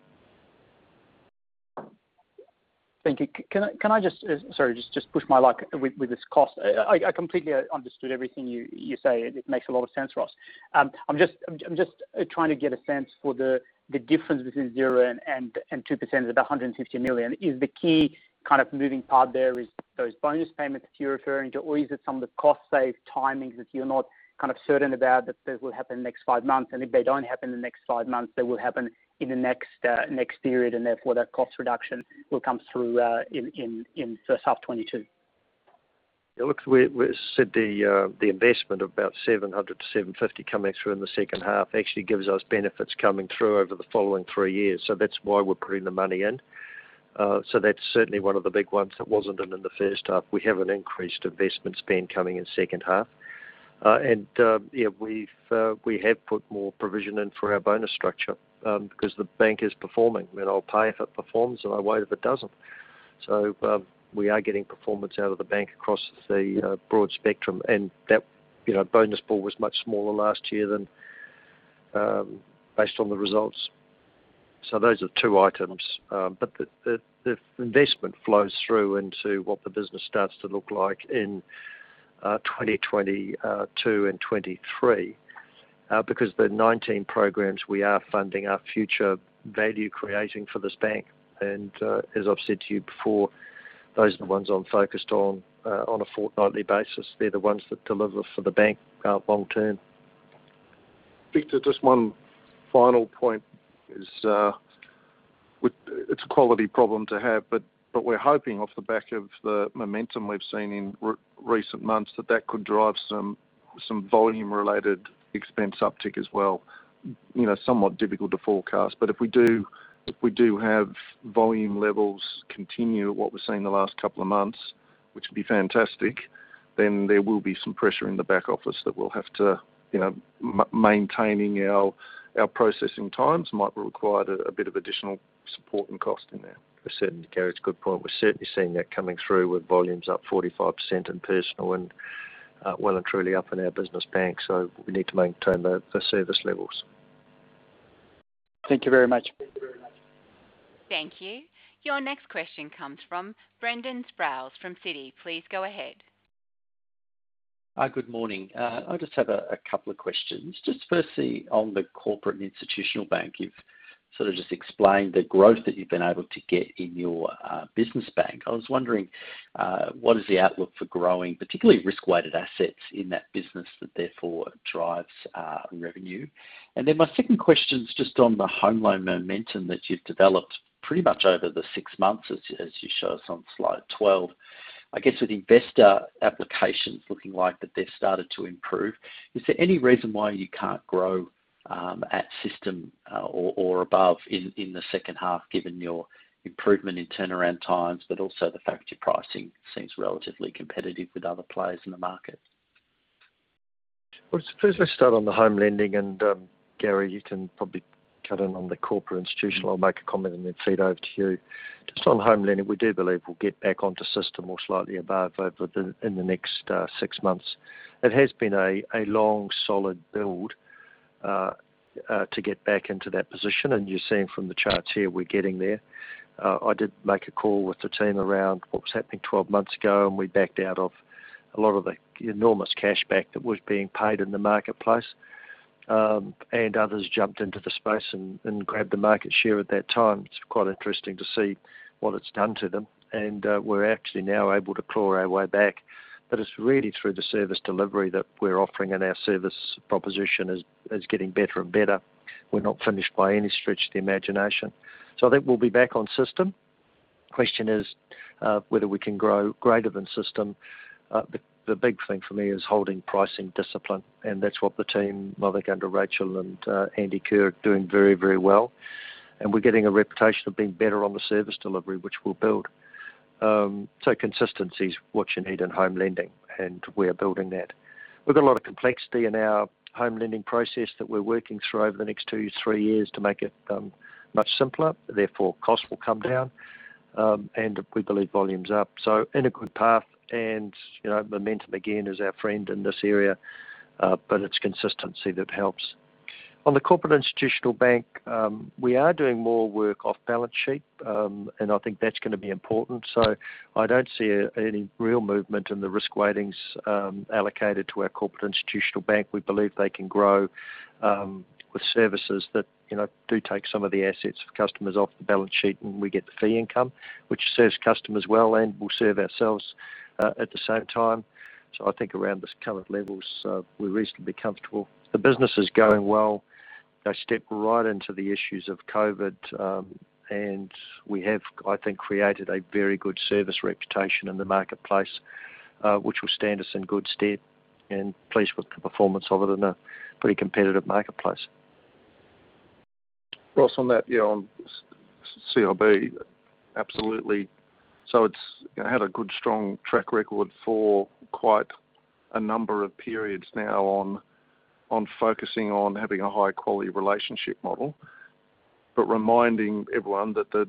Thank you. Can I just, sorry, just push my luck with this cost. I completely understood everything you said. It makes a lot of sense for us. I'm just trying to get a sense for the difference between 0 and 2% is about 150 million. Is the key kind of moving part there is those bonus payments that you're referring to, or is it some of the cost save timings that you're not kind of certain about, that those will happen in the next five months, and if they don't happen in the next five months, they will happen in the next period, and therefore that cost reduction will come through in H1 2022? Yeah, look, we said the investment of about 700 to 750 coming through in the second half actually gives us benefits coming through over the following three years. That's why we're putting the money in. That's certainly one of the big ones that wasn't in the first half. We have an increased investment spend coming in second half. Yeah, we have put more provision in for our bonus structure, because the bank is performing. I'll pay if it performs, and I won't if it doesn't. We are getting performance out of the bank across the broad spectrum. That bonus pool was much smaller last year, based on the results. Those are two items. The investment flows through into what the business starts to look like in 2022 and 2023. The 19 programs we are funding are future value-creating for this bank. As I've said to you before, those are the ones I'm focused on a fortnightly basis. They're the ones that deliver for the bank long-term. Victor, just one final point. It's a quality problem to have. We're hoping off the back of the momentum we've seen in recent months that could drive some volume-related expense uptick as well. Somewhat difficult to forecast. If we do have volume levels continue at what we've seen the last couple of months, which would be fantastic, there will be some pressure in the back office that maintaining our processing times might require a bit of additional support and cost in there. Certainly, Gary. It's a good point. We're certainly seeing that coming through with volumes up 45% in Personal and well and truly up in our Business Bank. We need to maintain the service levels. Thank you very much. Thank you. Your next question comes from Brendan Sproules from Citi. Please go ahead. Hi, good morning. I just have a couple of questions. Just firstly, on the Corporate and Institutional Banking, you've sort of just explained the growth that you've been able to get in your Business and Private Banking. I was wondering what is the outlook for growing, particularly risk-weighted assets in that business that therefore drives revenue. Then my second question is just on the home loan momentum that you've developed pretty much over the six months, as you show us on slide 12. I guess with investor applications looking like that, they've started to improve. Is there any reason why you can't grow at system or above in the second half, given your improvement in turnaround times, but also the fact that your pricing seems relatively competitive with other players in the market? Well, firstly, let's start on the home lending, Gary, you can probably cut in on the Corporate and Institutional. I'll make a comment and then feed over to you. Just on home lending, we do believe we'll get back onto system or slightly above in the next six months. It has been a long, solid build to get back into that position. You're seeing from the charts here, we're getting there. I did make a call with the team around what was happening 12 months ago, and we backed out of a lot of the enormous cash back that was being paid in the marketplace. Others jumped into the space and grabbed the market share at that time. It's quite interesting to see what it's done to them. We're actually now able to claw our way back. It's really through the service delivery that we're offering, and our service proposition is getting better and better. We're not finished by any stretch of the imagination. I think we'll be back on system. Question is whether we can grow greater than system. The big thing for me is holding pricing discipline, and that's what the team, well, they're under Rachel and Andy Kerr, are doing very well. We're getting a reputation of being better on the service delivery, which we'll build. Consistency is what you need in home lending, and we're building that. We've got a lot of complexity in our home lending process that we're working through over the next two, three years to make it much simpler. Therefore, cost will come down. We believe volume's up. In a good path and momentum again is our friend in this area, but it's consistency that helps. On the Corporate Institutional Bank, we are doing more work off-balance sheet, and I think that's going to be important. I don't see any real movement in the risk weightings allocated to our Corporate Institutional Bank. We believe they can grow with services that do take some of the assets of customers off the balance sheet, and we get the fee income, which serves customers well and will serve ourselves at the same time. I think around this current levels, we're reasonably comfortable. The business is going well. They step right into the issues of COVID, and we have, I think, created a very good service reputation in the marketplace, which will stand us in good stead and pleased with the performance of it in a pretty competitive marketplace. Ross, on that, on C&IB. Absolutely. It's had a good, strong track record for quite a number of periods now on focusing on having a high-quality relationship model. Reminding everyone that the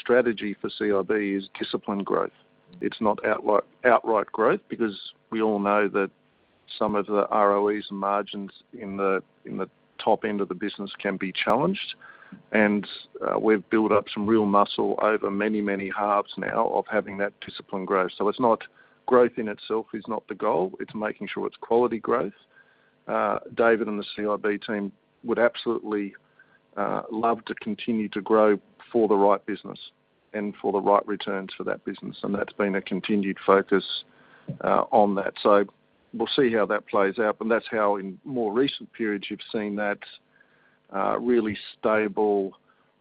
strategy for C&IB is disciplined growth. It's not outright growth because we all know that some of the ROEs and margins in the top end of the business can be challenged. We've built up some real muscle over many, many halves now of having that disciplined growth. Growth in itself is not the goal. It's making sure it's quality growth. David and the C&IB team would absolutely love to continue to grow for the right business and for the right returns for that business. That's been a continued focus on that. We'll see how that plays out. That's how in more recent periods you've seen that really stable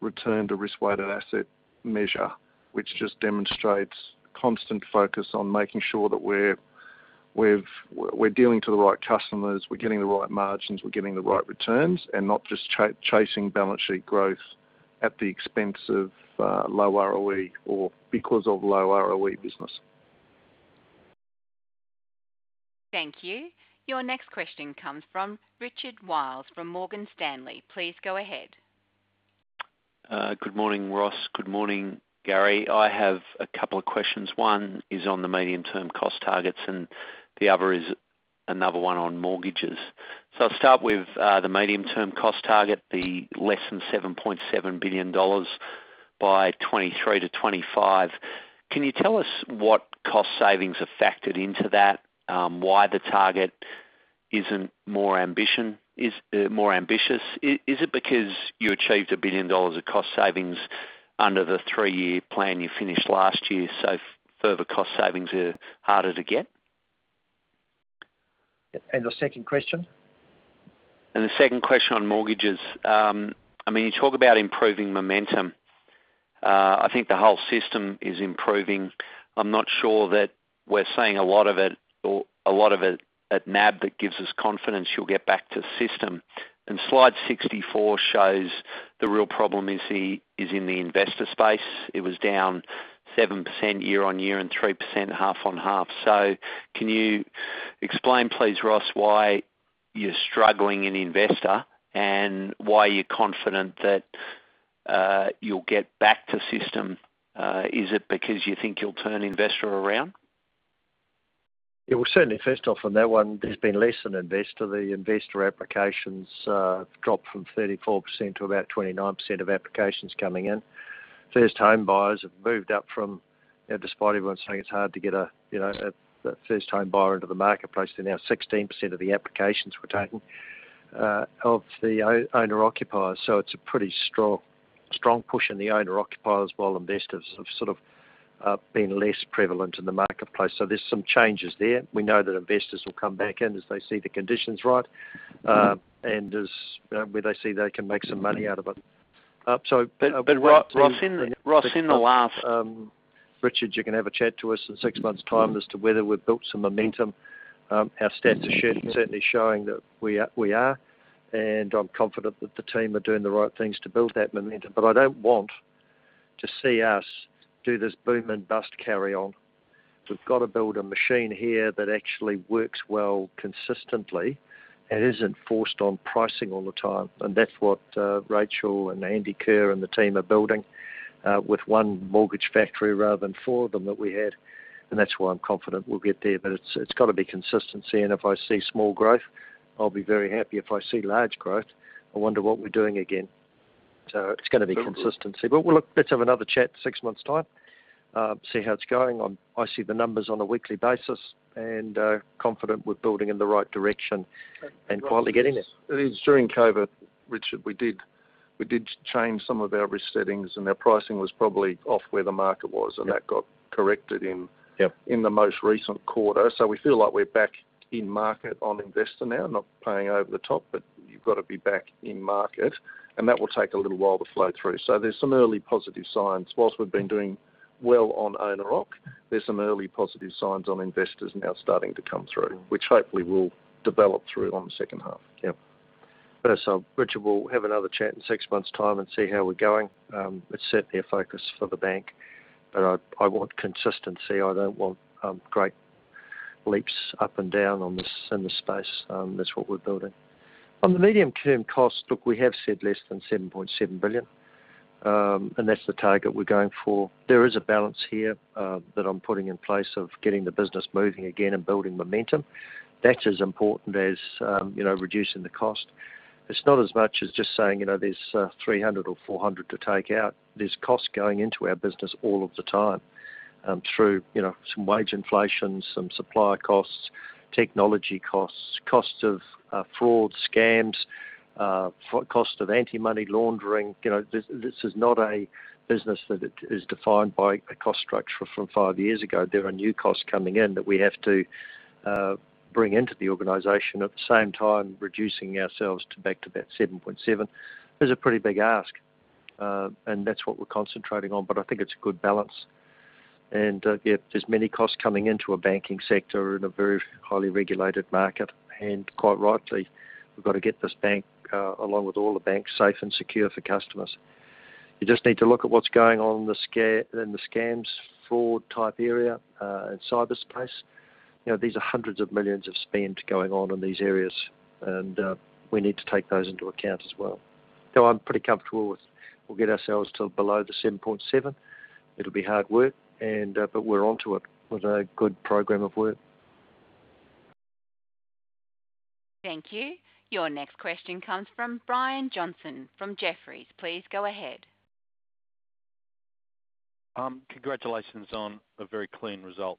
return to risk-weighted asset measure, which just demonstrates constant focus on making sure that we're dealing to the right customers, we're getting the right margins, we're getting the right returns, and not just chasing balance sheet growth at the expense of low ROE or because of low ROE business. Thank you. Your next question comes from Richard Wiles from Morgan Stanley. Please go ahead. Good morning, Ross. Good morning, Gary. I have a couple of questions. One is on the medium-term cost targets, and the other is another one on mortgages. I'll start with the medium-term cost target, the less than 7.7 billion dollars by 2023 to 2025. Can you tell us what cost savings are factored into that? Why the target isn't more ambitious? Is it because you achieved 1 billion dollars of cost savings under the three-year plan you finished last year, further cost savings are harder to get? The second question. The second question on mortgages. You talk about improving momentum. I think the whole system is improving. I'm not sure that we're seeing a lot of it at NAB that gives us confidence you'll get back to system. Slide 64 shows the real problem is in the investor space. It was down 7% year-on-year and 3% half-on-half. Can you explain, please, Ross, why you're struggling in investor and why you're confident that you'll get back to system? Is it because you think you'll turn investor around? Well, certainly, first off, on that one, there's been less on investor. The investor applications have dropped from 34% to about 29% of applications coming in. First-time buyers have moved up despite everyone saying it's hard to get a first-time buyer into the marketplace. They're now 16% of the applications we're taking of the owner-occupiers. It's a pretty strong push in the owner-occupiers, while investors have sort of been less prevalent in the marketplace. There's some changes there. We know that investors will come back in as they see the conditions right, and as where they see they can make some money out of it. Ross, in the last. Richard, you can have a chat to us in six months' time as to whether we've built some momentum. Our stats are certainly showing that we are, and I'm confident that the team are doing the right things to build that momentum. I don't want to see us do this boom and bust carry on. We've got to build a machine here that actually works well consistently and isn't forced on pricing all the time. That's what Rachel and Andy Kerr, and the team are building, with one mortgage factory rather than four of them that we had. That's why I'm confident we'll get there. It's got to be consistency, and if I see small growth, I'll be very happy. If I see large growth, I wonder what we're doing again. It's going to be consistency. Let's have another chat six months' time. See how it's going on. I see the numbers on a weekly basis and confident we're building in the right direction and quietly getting there. It is during COVID, Richard, we did change some of our risk settings, and our pricing was probably off where the market was. That got corrected in the most recent quarter. We feel like we're back in market on investor now, not paying over the top, but you've got to be back in market, and that will take a little while to flow through. There's some early positive signs. While we've been doing well on owner occ, there's some early positive signs on investors now starting to come through, which hopefully will develop through on the second half. Yep. Richard, we'll have another chat in six months' time and see how we're going. It's certainly a focus for the bank, but I want consistency. I don't want great leaps up and down in this space. That's what we're building. On the medium-term cost, look, we have said less than 7.7 billion, and that's the target we're going for. There is a balance here that I'm putting in place of getting the business moving again and building momentum. That's as important as reducing the cost. It's not as much as just saying, there's 300 or 400 to take out. There's costs going into our business all of the time through some wage inflation, some supply costs, technology costs of fraud, scams, cost of anti-money laundering. This is not a business that is defined by a cost structure from five years ago. There are new costs coming in that we have to bring into the organization. At the same time, reducing ourselves back to that 7.7 is a pretty big ask. That's what we're concentrating on. I think it's a good balance. Yeah, there's many costs coming into a banking sector in a very highly regulated market. Quite rightly, we've got to get this bank, along with all the banks, safe and secure for customers. You just need to look at what's going on in the scams, fraud-type area, and cyberspace. These are hundreds of millions of spend going on in these areas, and we need to take those into account as well. I'm pretty comfortable with, we'll get ourselves to below the 7.7. It'll be hard work, but we're onto it with a good program of work. Thank you. Your next question comes from Brian Johnson from Jefferies. Please go ahead. Congratulations on a very clean result.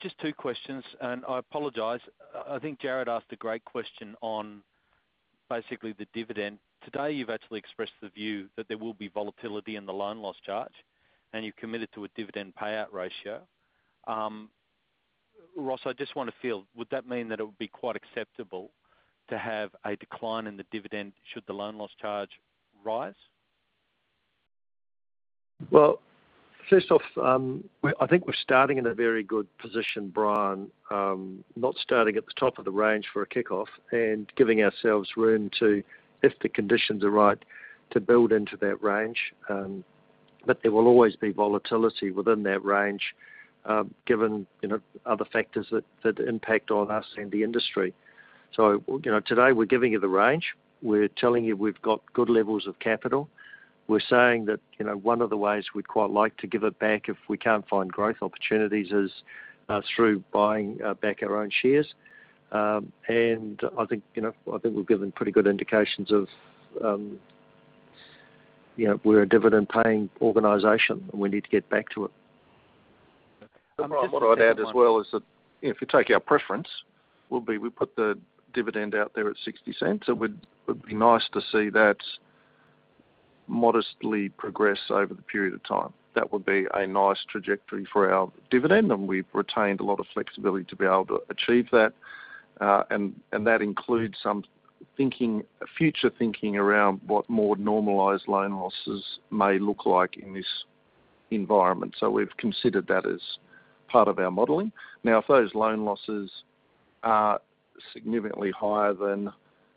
Just two questions, and I apologize. I think Jarrod asked a great question on basically the dividend. Today, you've actually expressed the view that there will be volatility in the loan loss charge, and you've committed to a dividend payout ratio. Ross, I just want to feel, would that mean that it would be quite acceptable to have a decline in the dividend should the loan loss charge rise? Well, first off, I think we're starting in a very good position, Brian, not starting at the top of the range for a kickoff and giving ourselves room to, if the conditions are right, to build into that range. There will always be volatility within that range, given other factors that impact on us and the industry. Today, we're giving you the range. We're telling you we've got good levels of capital. We're saying that one of the ways we'd quite like to give it back if we can't find growth opportunities is through buying back our own shares. I think we've given pretty good indications of we're a dividend-paying organization, and we need to get back to it. What I'd add as well is that if you take our preference, will be, we put the dividend out there at 0.60. It would be nice to see that modestly progress over the period of time. That would be a nice trajectory for our dividend, and we've retained a lot of flexibility to be able to achieve that. That includes some future thinking around what more normalized loan losses may look like in this environment. We've considered that as part of our modeling. If those loan losses are significantly higher than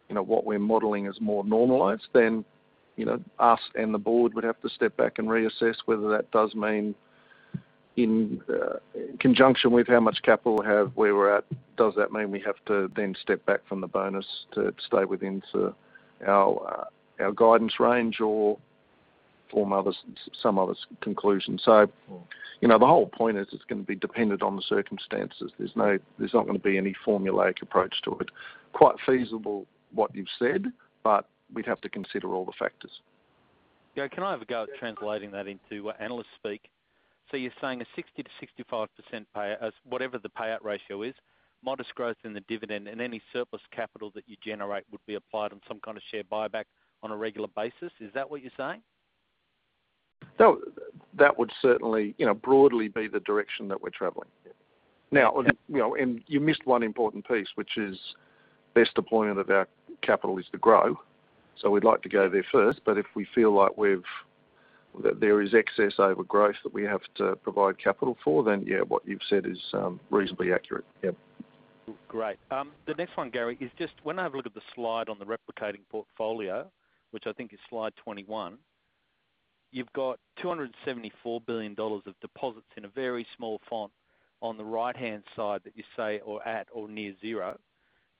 what we're modeling as more normalized, then us and the board would have to step back and reassess whether that does mean in conjunction with how much capital we have, where we're at, does that mean we have to then step back from the bonus to stay within our guidance range or form some other conclusion. The whole point is it's going to be dependent on the circumstances. There's not going to be any formulaic approach to it. Quite feasible what you've said, we'd have to consider all the factors. Yeah, can I have a go at translating that into analyst speak? You're saying a 60%-65% payout, as whatever the payout ratio is, modest growth in the dividend, and any surplus capital that you generate would be applied on some kind of share buyback on a regular basis. Is that what you're saying? That would certainly broadly be the direction that we're traveling. Now, you missed one important piece, which is best deployment of our capital is to grow. We'd like to go there first, but if we feel like there is excess over growth that we have to provide capital for, then yeah, what you've said is reasonably accurate. Yeah. Great. The next one, Gary, is just when I have a look at the slide on the replicating portfolio, which I think is slide 21, you've got 274 billion dollars of deposits in a very small font on the right-hand side that you say are at or near zero,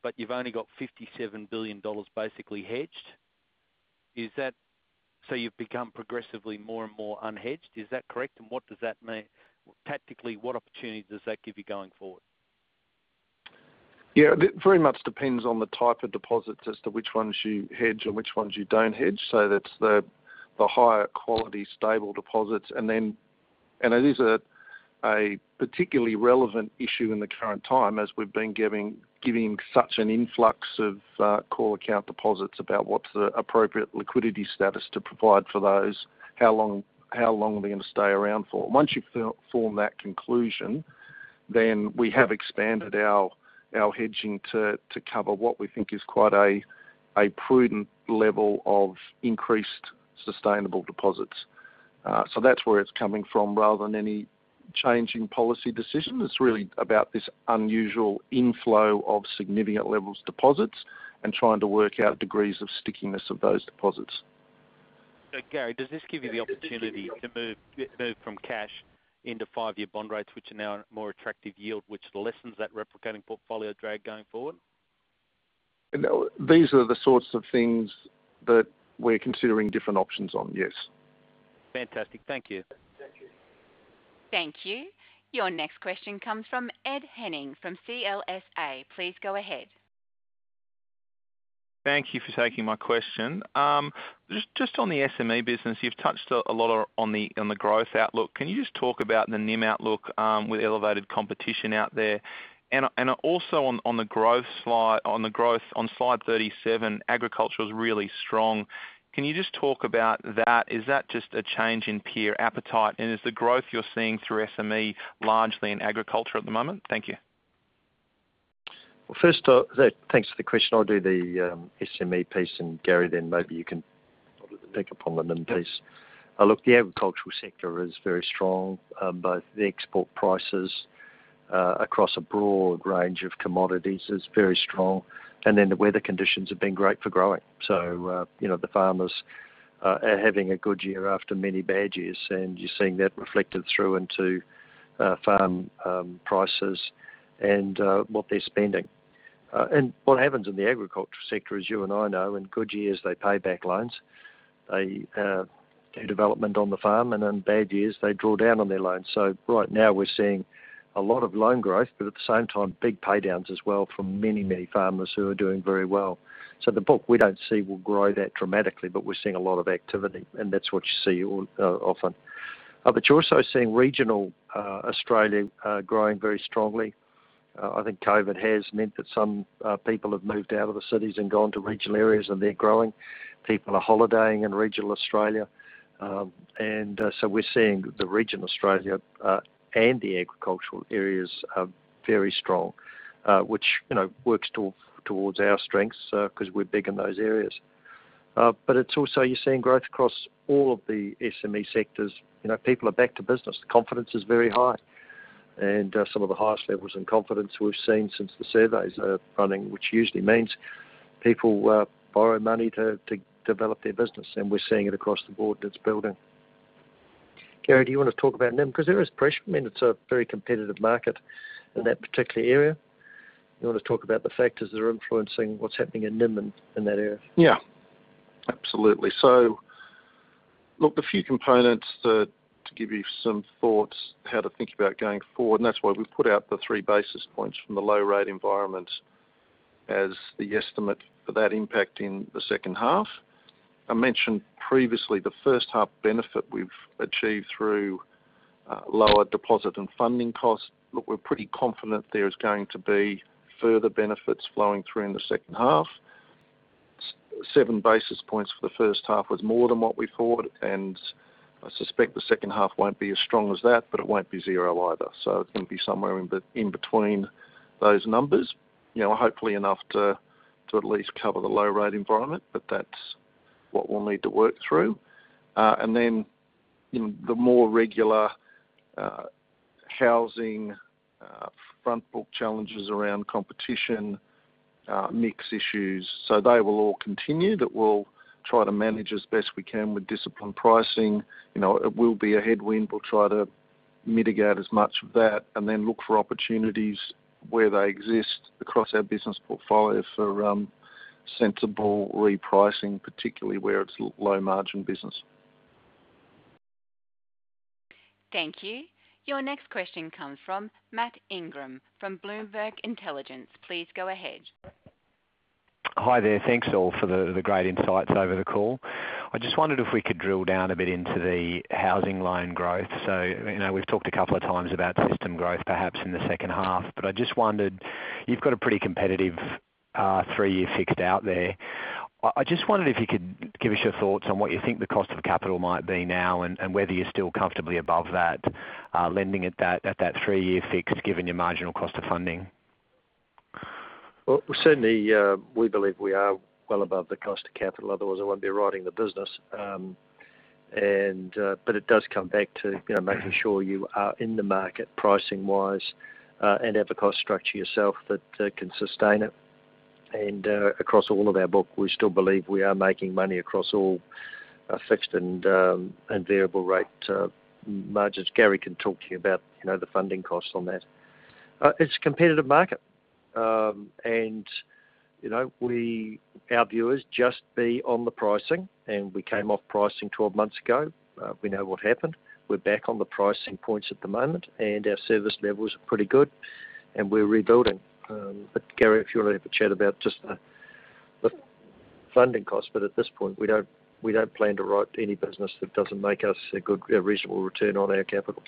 but you've only got 57 billion dollars basically hedged. You've become progressively more and more unhedged. Is that correct? And what does that mean? Tactically, what opportunities does that give you going forward? Yeah, it very much depends on the type of deposits as to which ones you hedge and which ones you don't hedge. That's the higher quality, stable deposits. It is a particularly relevant issue in the current time, as we've been giving such an influx of call account deposits about what's the appropriate liquidity status to provide for those, how long are they going to stay around for. Once you've formed that conclusion, we have expanded our hedging to cover what we think is quite a prudent level of increased sustainable deposits. That's where it's coming from rather than any changing policy decision. It's really about this unusual inflow of significant levels deposits and trying to work out degrees of stickiness of those deposits. Gary, does this give you the opportunity to move from cash into five-year bond rates, which are now a more attractive yield, which lessens that replicating portfolio drag going forward? These are the sorts of things that we're considering different options on, yes. Fantastic. Thank you. Thank you. Thank you. Your next question comes from Ed Henning from CLSA. Please go ahead. Thank you for taking my question. Just on the SME business, you've touched a lot on the growth outlook. Can you just talk about the NIM outlook, with elevated competition out there? Also, on the growth on slide 37, agriculture was really strong. Can you just talk about that? Is that just a change in peer appetite, and is the growth you're seeing through SME largely in agriculture at the moment? Thank you. First off, thanks for the question. I'll do the SME piece, Gary, then maybe you can pick up on the NIM piece. The agricultural sector is very strong. Both the export prices across a broad range of commodities is very strong. Then the weather conditions have been great for growing. The farmers are having a good year after many bad years, and you're seeing that reflected through into farm prices and what they're spending. What happens in the agriculture sector, as you and I know, in good years, they pay back loans. They do development on the farm, and in bad years, they draw down on their loans. Right now, we're seeing a lot of loan growth, but at the same time, big pay-downs as well from many farmers who are doing very well. The book we don't see will grow that dramatically, but we're seeing a lot of activity, and that's what you see often. But you're also seeing regional Australia growing very strongly. I think COVID has meant that some people have moved out of the cities and gone to regional areas, and they're growing. People are holidaying in regional Australia. We're seeing the region of Australia, and the agricultural areas are very strong. Which works towards our strengths, because we're big in those areas. It's also you're seeing growth across all of the SME sectors. People are back to business. Confidence is very high. Some of the highest levels in confidence we've seen since the surveys are running, which usually means people borrow money to develop their business. We're seeing it across the board; it's building. Gary, do you want to talk about NIM? There is pressure. I mean, it's a very competitive market in that particular area. You want to talk about the factors that are influencing what's happening in NIM in that area? Yeah. Absolutely. Look, the few components to give you some thoughts how to think about going forward, and that's why we've put out the 3 basis points from the low rate environment as the estimate for that impact in the second half. I mentioned previously the first half benefit we've achieved through lower deposit and funding costs. Look, we're pretty confident there is going to be further benefits flowing through in the second half. 7 basis points for the first half was more than what we thought, and I suspect the second half won't be as strong as that, but it won't be zero either. It's going to be somewhere in between those numbers. Hopefully, enough to at least cover the low-rate environment. That's what we'll need to work through. The more regular housing front book challenges around competition, mix issues. They will all continue. That we'll try to manage as best we can with disciplined pricing. It will be a headwind. We'll try to mitigate as much of that and then look for opportunities where they exist across our business portfolio for sensible repricing, particularly where it's a low-margin business. Thank you. Your next question comes from Matt Ingram from Bloomberg Intelligence. Please go ahead. Hi there. Thanks all for the great insights over the call. I just wondered if we could drill down a bit into the housing loan growth. We've talked a couple of times about system growth, perhaps in the second half, but I just wondered, you've got a pretty competitive three-year fixed out there. I just wondered if you could give us your thoughts on what you think the cost of capital might be now and whether you're still comfortably above that, lending at that three-year fixed, given your marginal cost of funding. Well, certainly, we believe we are well above the cost of capital, otherwise I wouldn't be writing the business. It does come back to making sure you are in the market pricing wise and have a cost structure yourself that can sustain it. Across all of our book, we still believe we are making money across all fixed and variable rate margins. Gary can talk to you about the funding costs on that. It's a competitive market. Our view is just be on the pricing, and we came off pricing 12 months ago. We know what happened. We're back on the pricing points at the moment, and our service levels are pretty good, and we're rebuilding. Gary, if you want to have a chat about just the funding costs. At this point, we don't plan to write any business that doesn't make us a reasonable return on our capital.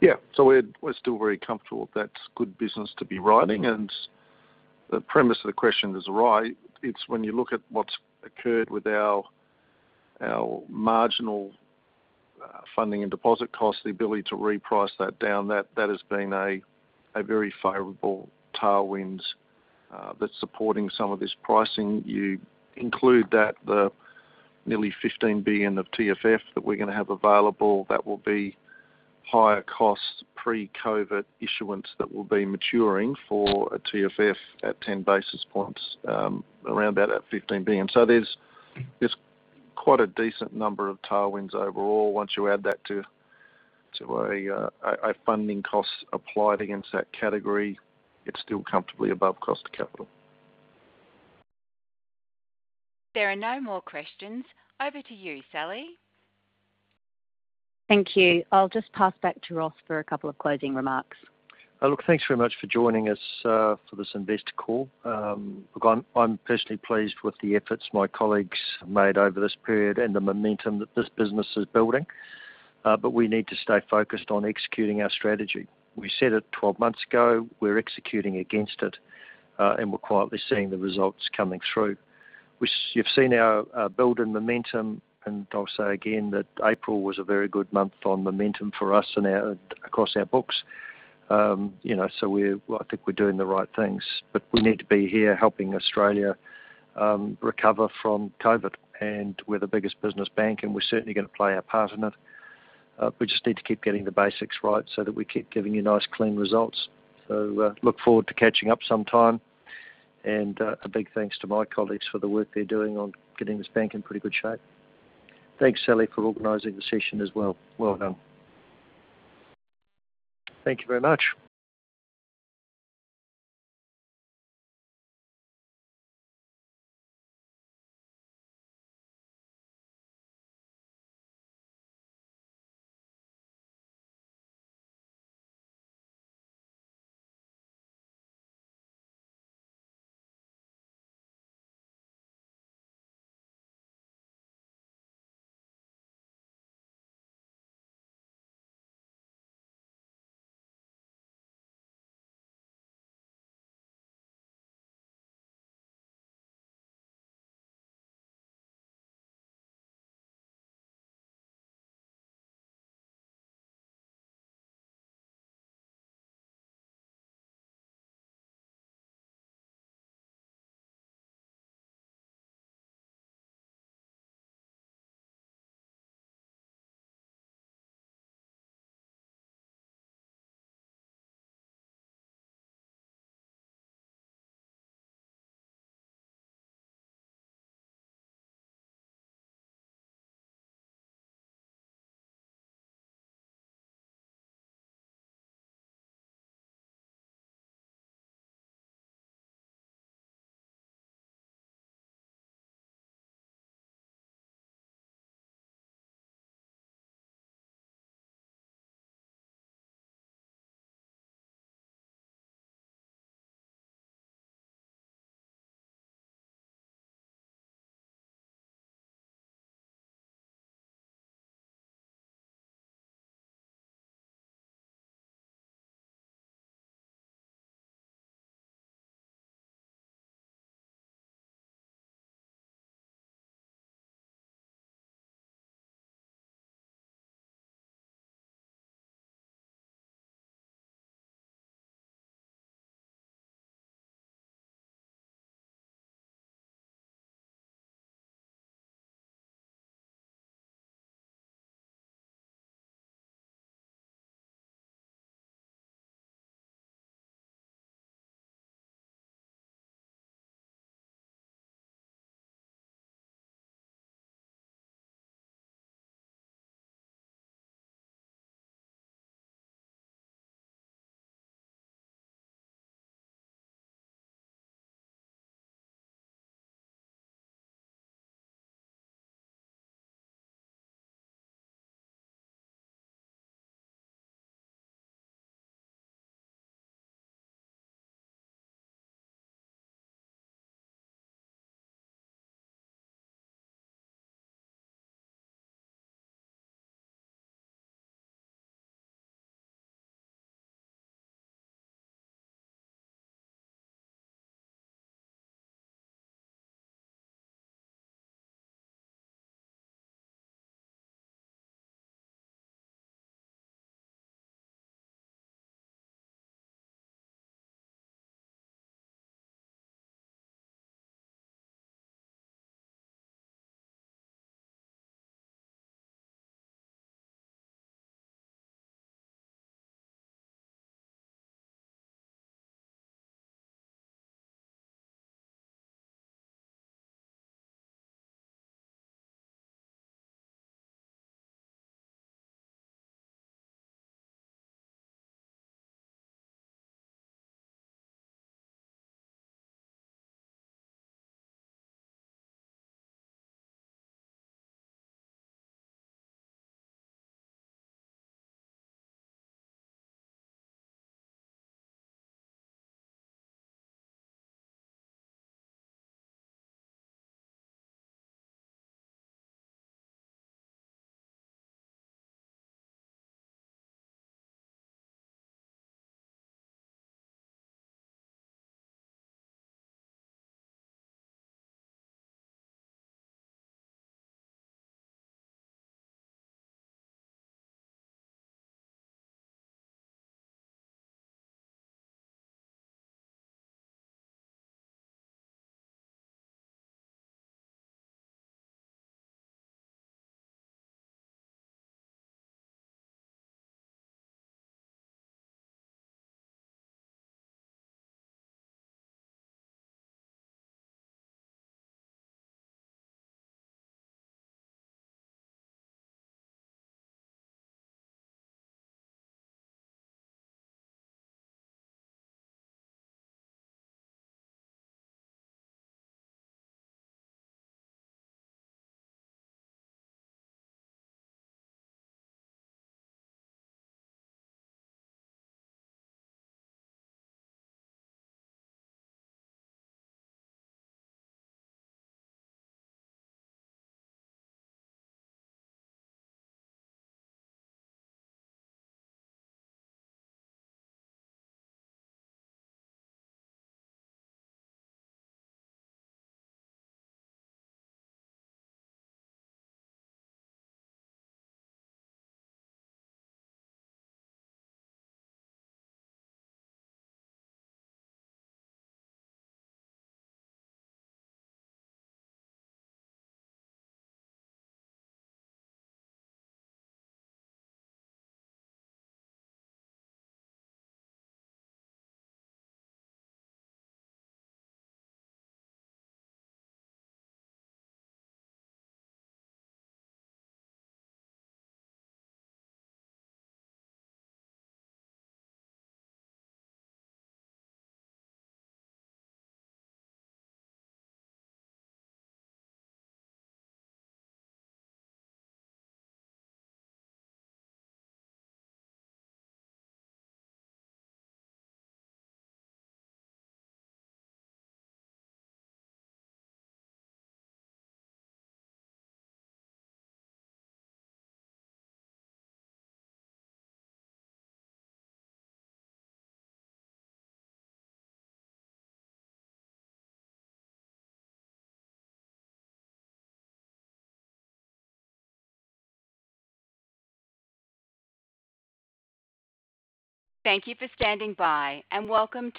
Yeah. We're still very comfortable that's good business to be writing, and the premise of the question is right. It's when you look at what's occurred with our marginal funding and deposit costs, the ability to reprice that down, that has been a very favorable tailwind that's supporting some of this pricing. You include that, the nearly 15 billion of TFF that we're going to have available, that will be higher cost pre-COVID issuance that will be maturing for a TFF at 10 basis points, around about 15 billion. There's quite a decent number of tailwinds overall. Once you add that to our funding costs applied against that category, it's still comfortably above cost of capital. There are no more questions. Over to you, Sally. Thank you. I'll just pass back to Ross for a couple of closing remarks. Look, thanks very much for joining us for this investor call. Look, I'm personally pleased with the efforts my colleagues have made over this period and the momentum that this business is building. We need to stay focused on executing our strategy. We said it 12 months ago, we're executing against it, and we're quietly seeing the results coming through. You've seen our build in momentum, and I'll say again that April was a very good month on momentum for us and across our books. I think we're doing the right things. We need to be here helping Australia recover from COVID, and we're the biggest business bank, and we're certainly going to play our part in it. We just need to keep getting the basics right so that we keep giving you nice, clean results. Look forward to catching up sometime. A big thanks to my colleagues for the work they're doing on getting this bank in pretty good shape. Thanks, Sally, for organizing the session as well. Well done. Thank you very much.